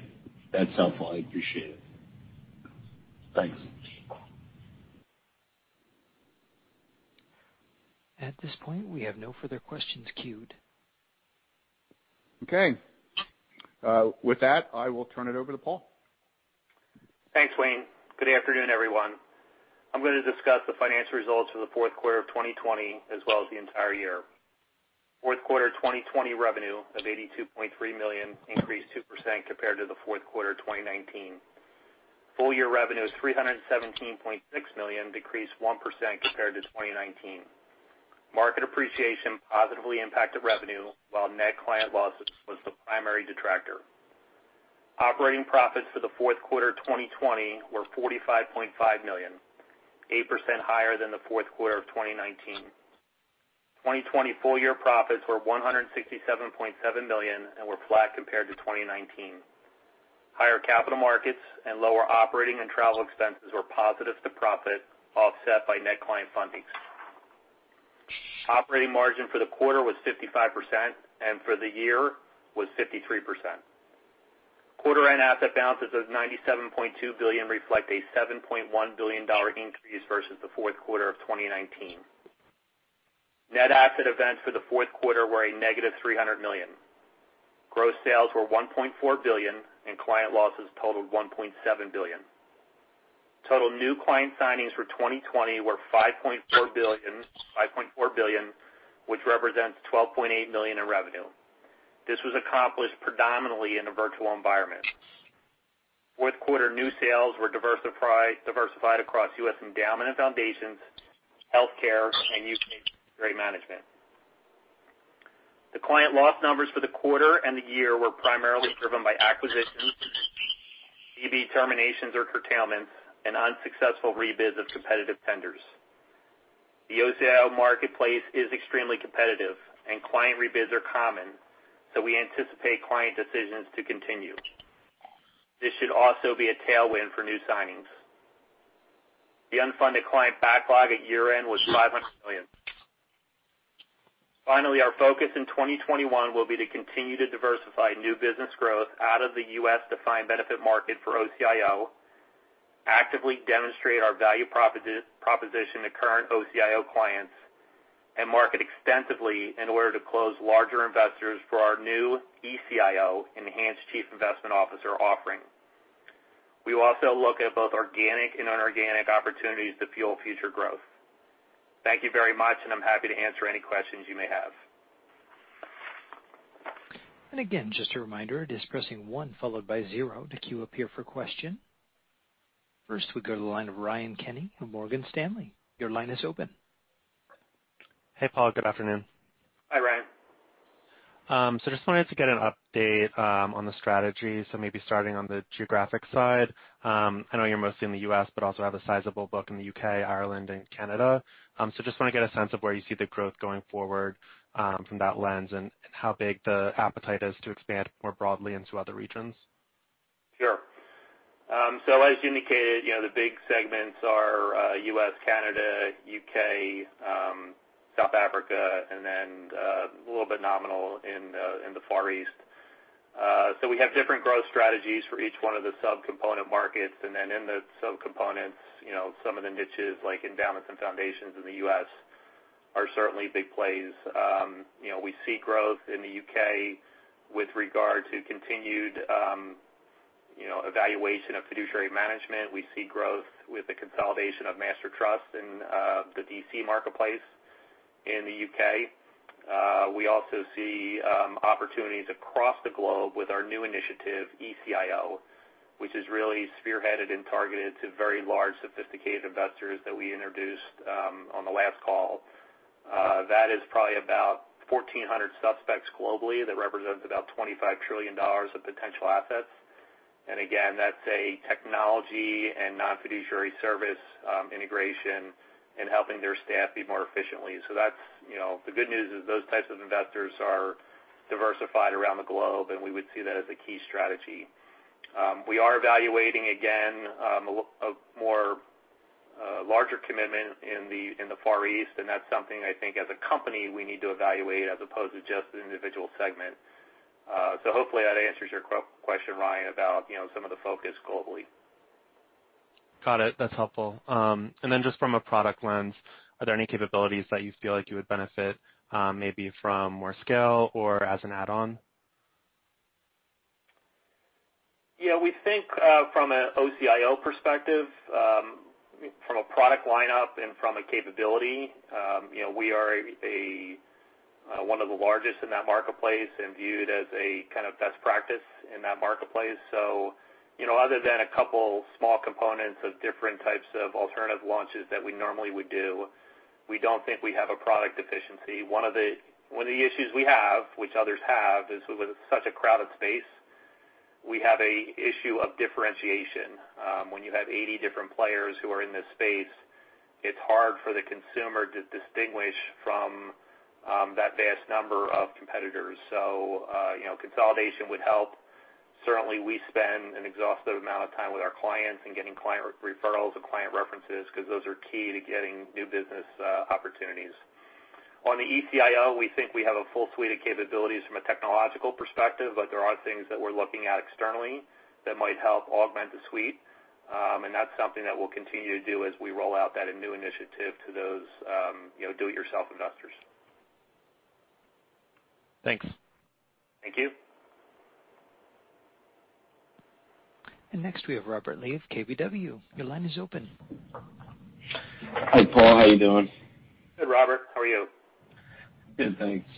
That's helpful. I appreciate it. Thanks. At this point, we have no further questions queued. Okay. With that, I will turn it over to Paul. Thanks, Wayne. Good afternoon, everyone. I'm going to discuss the financial results for the fourth quarter of 2020 as well as the entire year. Fourth quarter 2020 revenue of $82.3 million increased 2% compared to the fourth quarter of 2019. Full-year revenue is $317.6 million, decreased 1% compared to 2019. Market appreciation positively impacted revenue, while net client losses was the primary detractor. Operating profits for the fourth quarter 2020 were $45.5 million, 8% higher than the fourth quarter of 2019. 2020 full-year profits were $167.7 million and were flat compared to 2019. Higher capital markets and lower operating and travel expenses were positive to profit, offset by net client fundings. Operating margin for the quarter was 55% and for the year was 53%. Quarter-end asset balances of $97.2 billion reflect a $7.1 billion increase versus the fourth quarter of 2019. Net asset events for the fourth quarter were a negative $300 million. Gross sales were $1.4 billion, and client losses totaled $1.7 billion. Total new client signings for 2020 were $5.4 billion, which represents $12.8 million in revenue. This was accomplished predominantly in a virtual environment. Fourth quarter new sales were diversified across U.S. endowment and foundations, healthcare, and U.K. fiduciary management. The client loss numbers for the quarter and the year were primarily driven by acquisitions, DB terminations or curtailments, and unsuccessful rebids of competitive tenders. The OCIO marketplace is extremely competitive, and client rebids are common, so we anticipate client decisions to continue. This should also be a tailwind for new signings. The unfunded client backlog at year-end was $500 million. Finally, our focus in 2021 will be to continue to diversify new business growth out of the U.S. defined benefit market for OCIO, actively demonstrate our value proposition to current OCIO clients, and market extensively in order to close larger investors for our new ECIO, Enhanced Chief Investment Officer offering. We will also look at both organic and inorganic opportunities to fuel future growth. Thank you very much, and I'm happy to answer any questions you may have. Again, just a reminder, it is pressing one followed by zero to queue up here for a question. First, we go to the line of Ryan Kenny from Morgan Stanley. Your line is open. Hey, Paul. Good afternoon. Hi, Ryan. Just wanted to get an update on the strategy, so maybe starting on the geographic side. I know you're mostly in the U.S., but also have a sizable book in the U.K., Ireland, and Canada. Just want to get a sense of where you see the growth going forward from that lens, and how big the appetite is to expand more broadly into other regions. As you indicated, the big segments are U.S., Canada, U.K., South Africa, and then a little bit nominal in the Far East. We have different growth strategies for each one of the subcomponent markets. In the subcomponents, some of the niches like endowments and foundations in the U.S. are certainly big plays. We see growth in the U.K. with regard to continued evaluation of fiduciary management. We see growth with the consolidation of master trust in the DC marketplace in the U.K. We also see opportunities across the globe with our new initiative, ECIO, which is really spearheaded and targeted to very large, sophisticated investors that we introduced on the last call. That is probably about 1,400 suspects globally. That represents about $25 trillion of potential assets. Again, that's a technology and non-fiduciary service integration in helping their staff be more efficient. The good news is those types of investors are diversified around the globe, and we would see that as a key strategy. We are evaluating, again, a larger commitment in the Far East, and that's something I think, as a company, we need to evaluate as opposed to just the individual segment. Hopefully that answers your question, Ryan, about some of the focus globally. Got it. That's helpful. Just from a product lens, are there any capabilities that you feel like you would benefit maybe from more scale or as an add-on? Yeah, we think from an OCIO perspective, from a product lineup and from a capability, we are one of the largest in that marketplace and viewed as a kind of best practice in that marketplace. Other than a couple small components of different types of alternative launches that we normally would do, we don't think we have a product deficiency. One of the issues we have, which others have, is with such a crowded space, we have a issue of differentiation. When you have 80 different players who are in this space, it's hard for the consumer to distinguish from that vast number of competitors. Consolidation would help. Certainly, we spend an exhaustive amount of time with our clients and getting client referrals and client references because those are key to getting new business opportunities. On the ECIO, we think we have a full suite of capabilities from a technological perspective, but there are things that we're looking at externally that might help augment the suite. That's something that we'll continue to do as we roll out that new initiative to those do-it-yourself investors. Thanks. Thank you. Next we have Robert Lee of KBW. Your line is open. Hi, Paul. How are you doing? Good, Robert. How are you? Good, thanks.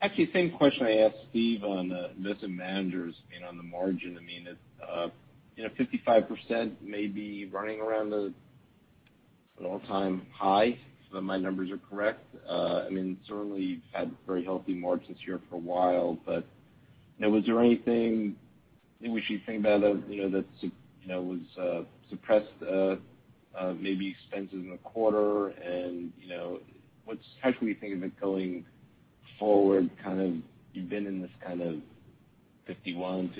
Actually, same question I asked Steve on Investment Managers being on the margin. I mean, 55% may be running around an all-time high, if my numbers are correct. I mean, certainly you've had very healthy margins here for a while, but was there anything we should think about that was suppressed, maybe expenses in the quarter? How should we think of it going forward, kind of, you've been in this kind of 51,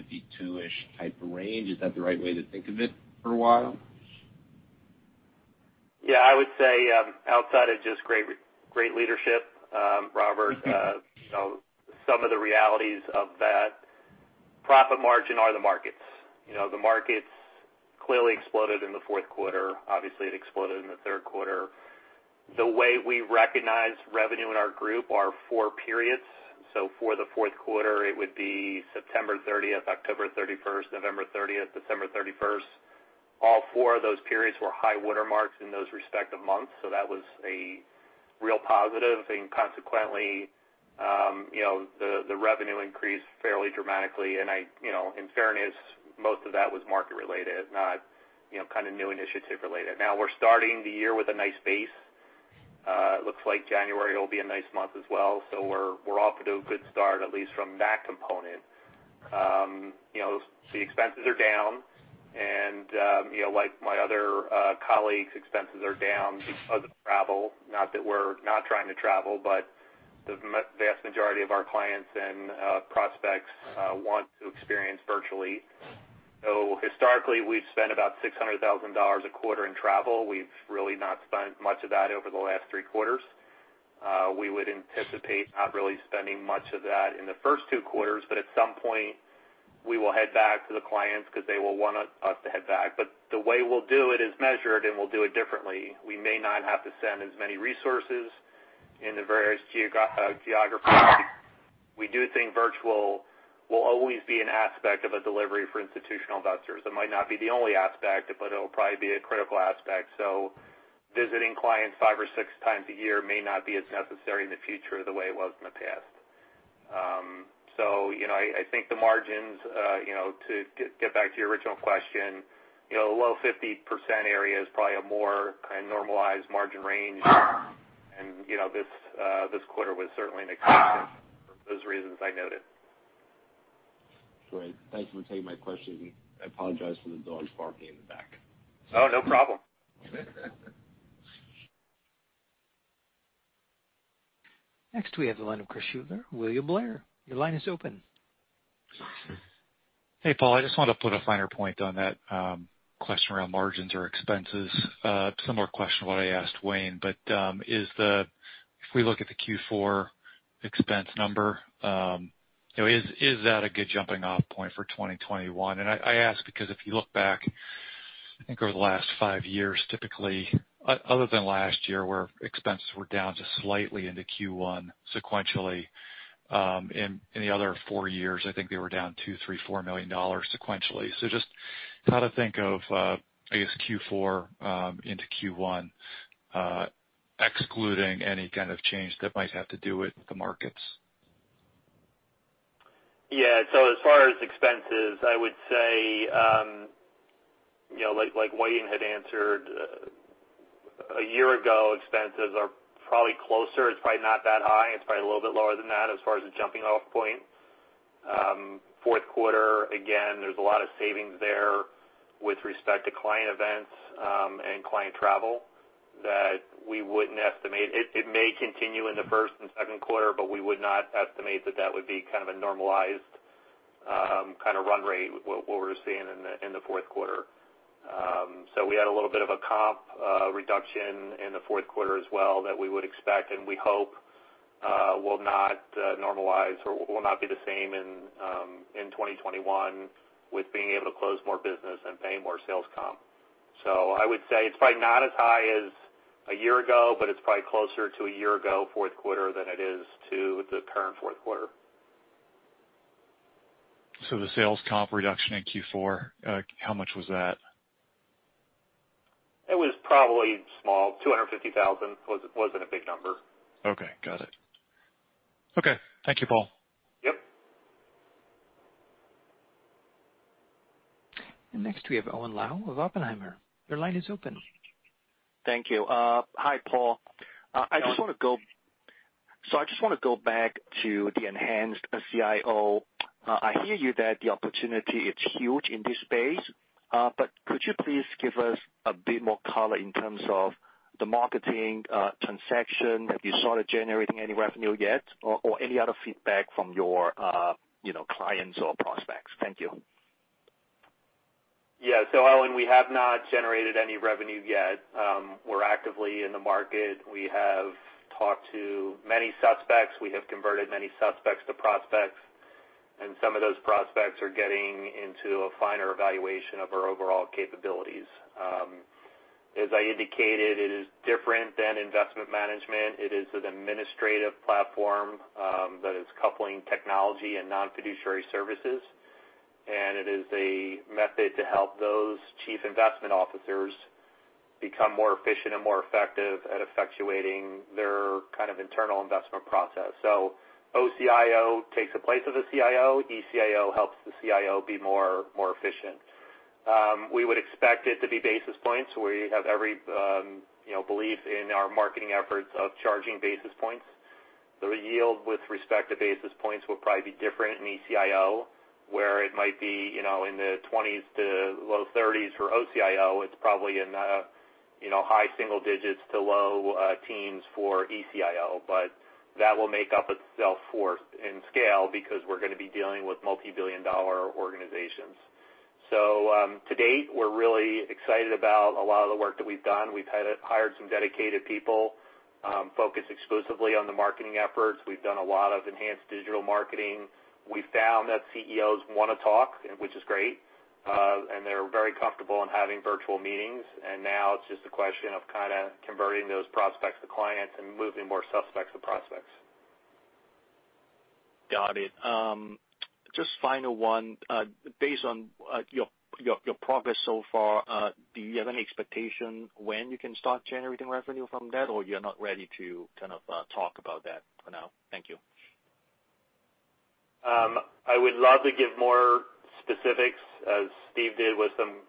52-ish type of range. Is that the right way to think of it for a while? Yeah, I would say, outside of just great leadership, Robert, some of the realities of that profit margin are the markets. The markets clearly exploded in the fourth quarter. Obviously, it exploded in the third quarter. The way we recognize revenue in our group are four periods. For the fourth quarter, it would be September 30th, October 31st, November 30th, December 31st. All four of those periods were high water marks in those respective months, so that was a real positive. Consequently, the revenue increased fairly dramatically, and in fairness, most of that was market-related, not new initiative related. We're starting the year with a nice base. It looks like January will be a nice month as well. We're off to a good start, at least from that component. The expenses are down, and like my other colleagues, expenses are down because of travel. Not that we're not trying to travel, but the vast majority of our clients and prospects want to experience virtually. Historically, we've spent about $600,000 a quarter in travel. We've really not spent much of that over the last 3 quarters. We would anticipate not really spending much of that in the first 2 quarters, at some point, we will head back to the clients because they will want us to head back. The way we'll do it is measured, and we'll do it differently. We may not have to send as many resources into various geographies. We do think virtual will always be an aspect of a delivery for institutional investors. It might not be the only aspect, but it'll probably be a critical aspect. Visiting clients five or six times a year may not be as necessary in the future the way it was in the past. I think the margins, to get back to your original question, low 50% area is probably a more normalized margin range. This quarter was certainly an exception for those reasons I noted. Great. Thank you for taking my question, and I apologize for the dogs barking in the back. Oh, no problem. Next, we have the line of Chris Shutler, William Blair. Your line is open. Hey, Paul. I just want to put a finer point on that question around margins or expenses. A similar question to what I asked Wayne, but if we look at the Q4 expense number, is that a good jumping-off point for 2021? I ask because if you look back, I think over the last five years, typically, other than last year, where expenses were down just slightly into Q1 sequentially, in the other four years, I think they were down $2 million, $3 million, $4 million sequentially. So just how to think of, I guess, Q4 into Q1 excluding any kind of change that might have to do with the markets? Yeah. As far as expenses, I would say, like Wayne had answered, a year ago, expenses are probably closer. It's probably not that high. It's probably a little bit lower than that as far as the jumping-off point. Fourth quarter, again, there's a lot of savings there with respect to client events and client travel that we wouldn't estimate. It may continue in the first and second quarter, but we would not estimate that that would be a normalized run rate, what we're seeing in the fourth quarter. We had a little bit of a comp reduction in the fourth quarter as well that we would expect, and we hope will not normalize or will not be the same in 2021 with being able to close more business and pay more sales comp. I would say it's probably not as high as a year ago, but it's probably closer to a year ago fourth quarter than it is to the current fourth quarter. The sales comp reduction in Q4, how much was that? It was probably small, $250,000. It wasn't a big number. Okay. Got it. Okay. Thank you, Paul. Yep. Next we have Owen Lau of Oppenheimer. Your line is open. Thank you. Hi, Paul. Owen. I just want to go back to the Enhanced CIO. I hear you that the opportunity, it's huge in this space. Could you please give us a bit more color in terms of the marketing transaction? Have you started generating any revenue yet, or any other feedback from your clients or prospects? Thank you. Owen, we have not generated any revenue yet. We're actively in the market. We have talked to many suspects. We have converted many suspects to prospects, and some of those prospects are getting into a finer evaluation of our overall capabilities. As I indicated, it is different than investment management. It is an administrative platform that is coupling technology and non-fiduciary services, and it is a method to help those chief investment officers become more efficient and more effective at effectuating their internal investment process. OCIO takes the place of the CIO. ECIO helps the CIO be more efficient. We would expect it to be basis points. We have every belief in our marketing efforts of charging basis points. The yield with respect to basis points will probably be different in ECIO, where it might be in the 20s to low 30s for OCIO. It's probably in the high single digits to low teens for ECIO. That will make up itself for in scale because we're going to be dealing with multi-billion-dollar organizations. To-date, we're really excited about a lot of the work that we've done. We've hired some dedicated people, focused exclusively on the marketing efforts. We've done a lot of enhanced digital marketing. We've found that CEOs want to talk, which is great. They're very comfortable in having virtual meetings. Now it's just a question of converting those prospects to clients and moving more suspects to prospects. Got it. Just final one. Based on your progress so far, do you have any expectation when you can start generating revenue from that, or you're not ready to talk about that for now? Thank you. I would love to give more specifics, as Steve did with some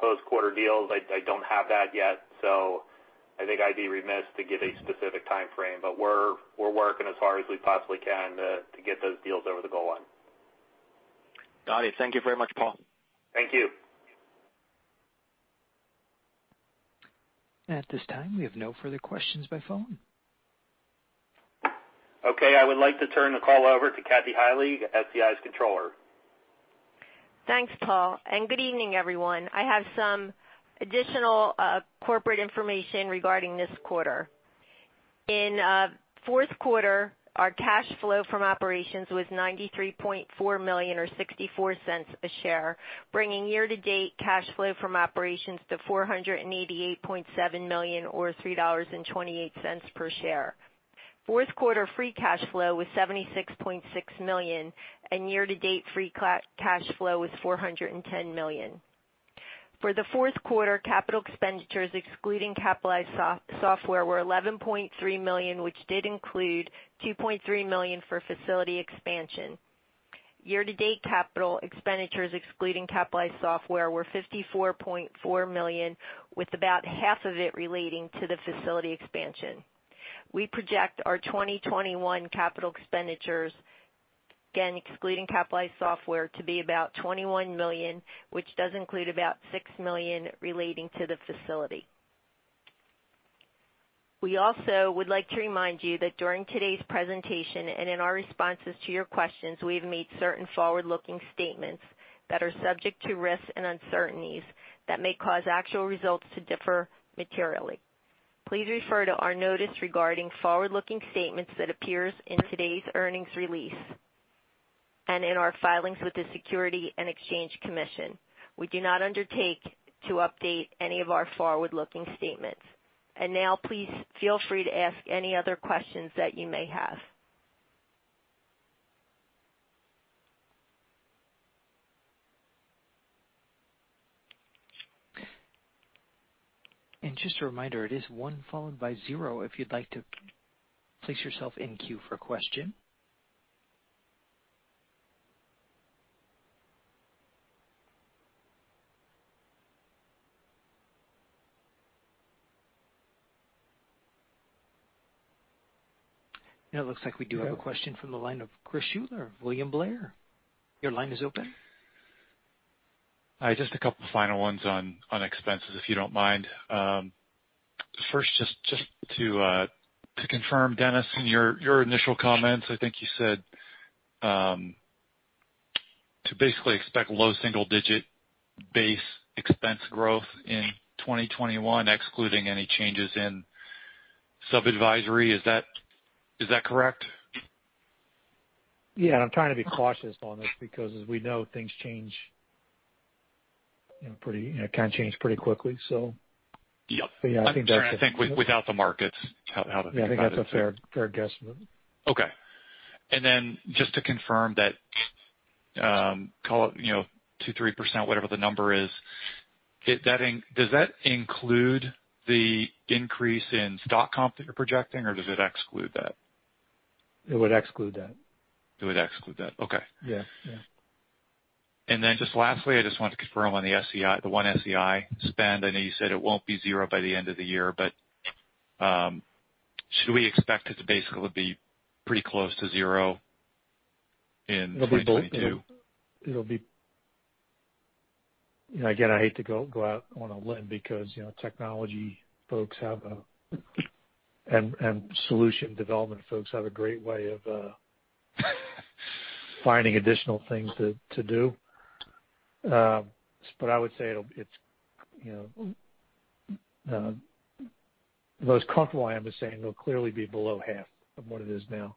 post-quarter deals. I don't have that yet. I think I'd be remiss to give a specific timeframe. We're working as hard as we possibly can to get those deals over the goal line. Got it. Thank you very much, Paul. Thank you. At this time, we have no further questions by phone. Okay. I would like to turn the call over to Kathy Heilig, SEI's Controller. Thanks, Paul, and good evening, everyone. I have some additional corporate information regarding this quarter. In fourth quarter, our cash flow from operations was $93.4 million, or $0.64 a share, bringing year-to-date cash flow from operations to $488.7 million, or $3.28 per share. Fourth quarter free cash flow was $76.6 million, and year-to-date free cash flow was $410 million. For the fourth quarter, capital expenditures, excluding capitalized software, were $11.3 million, which did include $2.3 million for facility expansion. Year-to-date capital expenditures, excluding capitalized software, were $54.4 million, with about half of it relating to the facility expansion. We project our 2021 capital expenditures, again, excluding capitalized software, to be about $21 million, which does include about $6 million relating to the facility. We also would like to remind you that during today's presentation and in our responses to your questions, we have made certain forward-looking statements that are subject to risks and uncertainties that may cause actual results to differ materially. Please refer to our notice regarding forward-looking statements that appears in today's earnings release and in our filings with the Securities and Exchange Commission. We do not undertake to update any of our forward-looking statements. Now, please feel free to ask any other questions that you may have. Just a reminder, it is one followed by zero if you'd like to place yourself in queue for a question. It looks like we do have a question from the line of Chris Shutler of William Blair. Your line is open. Hi. Just a couple of final ones on expenses, if you don't mind. First, just to confirm, Dennis, in your initial comments, I think you said to basically expect low single-digit base expense growth in 2021, excluding any changes in sub-advisory. Is that correct? Yeah. I'm trying to be cautious on this because, as we know, things change, can change pretty quickly. Yep. Yeah, I think that's it. I'm sorry. I think without the markets, how to think about it. Yeah, I think that's a fair guess. Okay. Just to confirm that, call it 2%, 3%, whatever the number is, does that include the increase in stock comp that you're projecting, or does it exclude that? It would exclude that. It would exclude that. Okay. Yeah. Just lastly, I just wanted to confirm on the One SEI spend. I know you said it won't be zero by the end of the year, should we expect it to basically be pretty close to zero in 2022? It'll Again, I hate to go out on a limb because technology folks have a, and solution development folks have a great way of finding additional things to do. I would say the most comfortable I am is saying it'll clearly be below half of what it is now.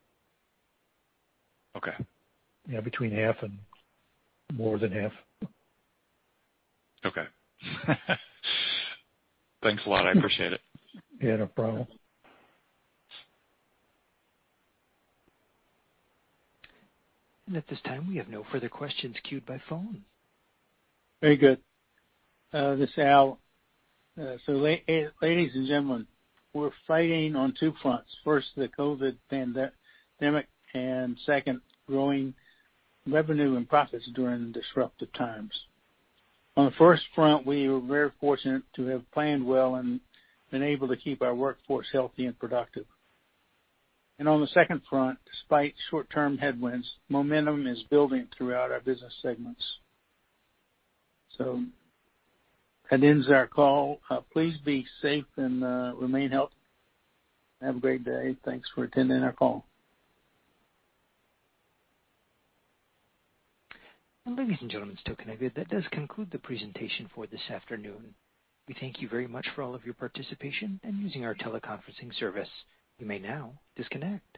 Okay. Yeah. Between half and more than half. Okay. Thanks a lot. I appreciate it. Yeah, no problem. At this time, we have no further questions queued by phone. Very good. This is Al. Ladies and gentlemen, we're fighting on two fronts: first, the COVID pandemic, second, growing revenue and profits during disruptive times. On the first front, we were very fortunate to have planned well and been able to keep our workforce healthy and productive. On the second front, despite short-term headwinds, momentum is building throughout our business segments. That ends our call. Please be safe and remain healthy. Have a great day. Thanks for attending our call. Ladies and gentlemen still connected, that does conclude the presentation for this afternoon. We thank you very much for all of your participation and using our teleconferencing service. You may now disconnect.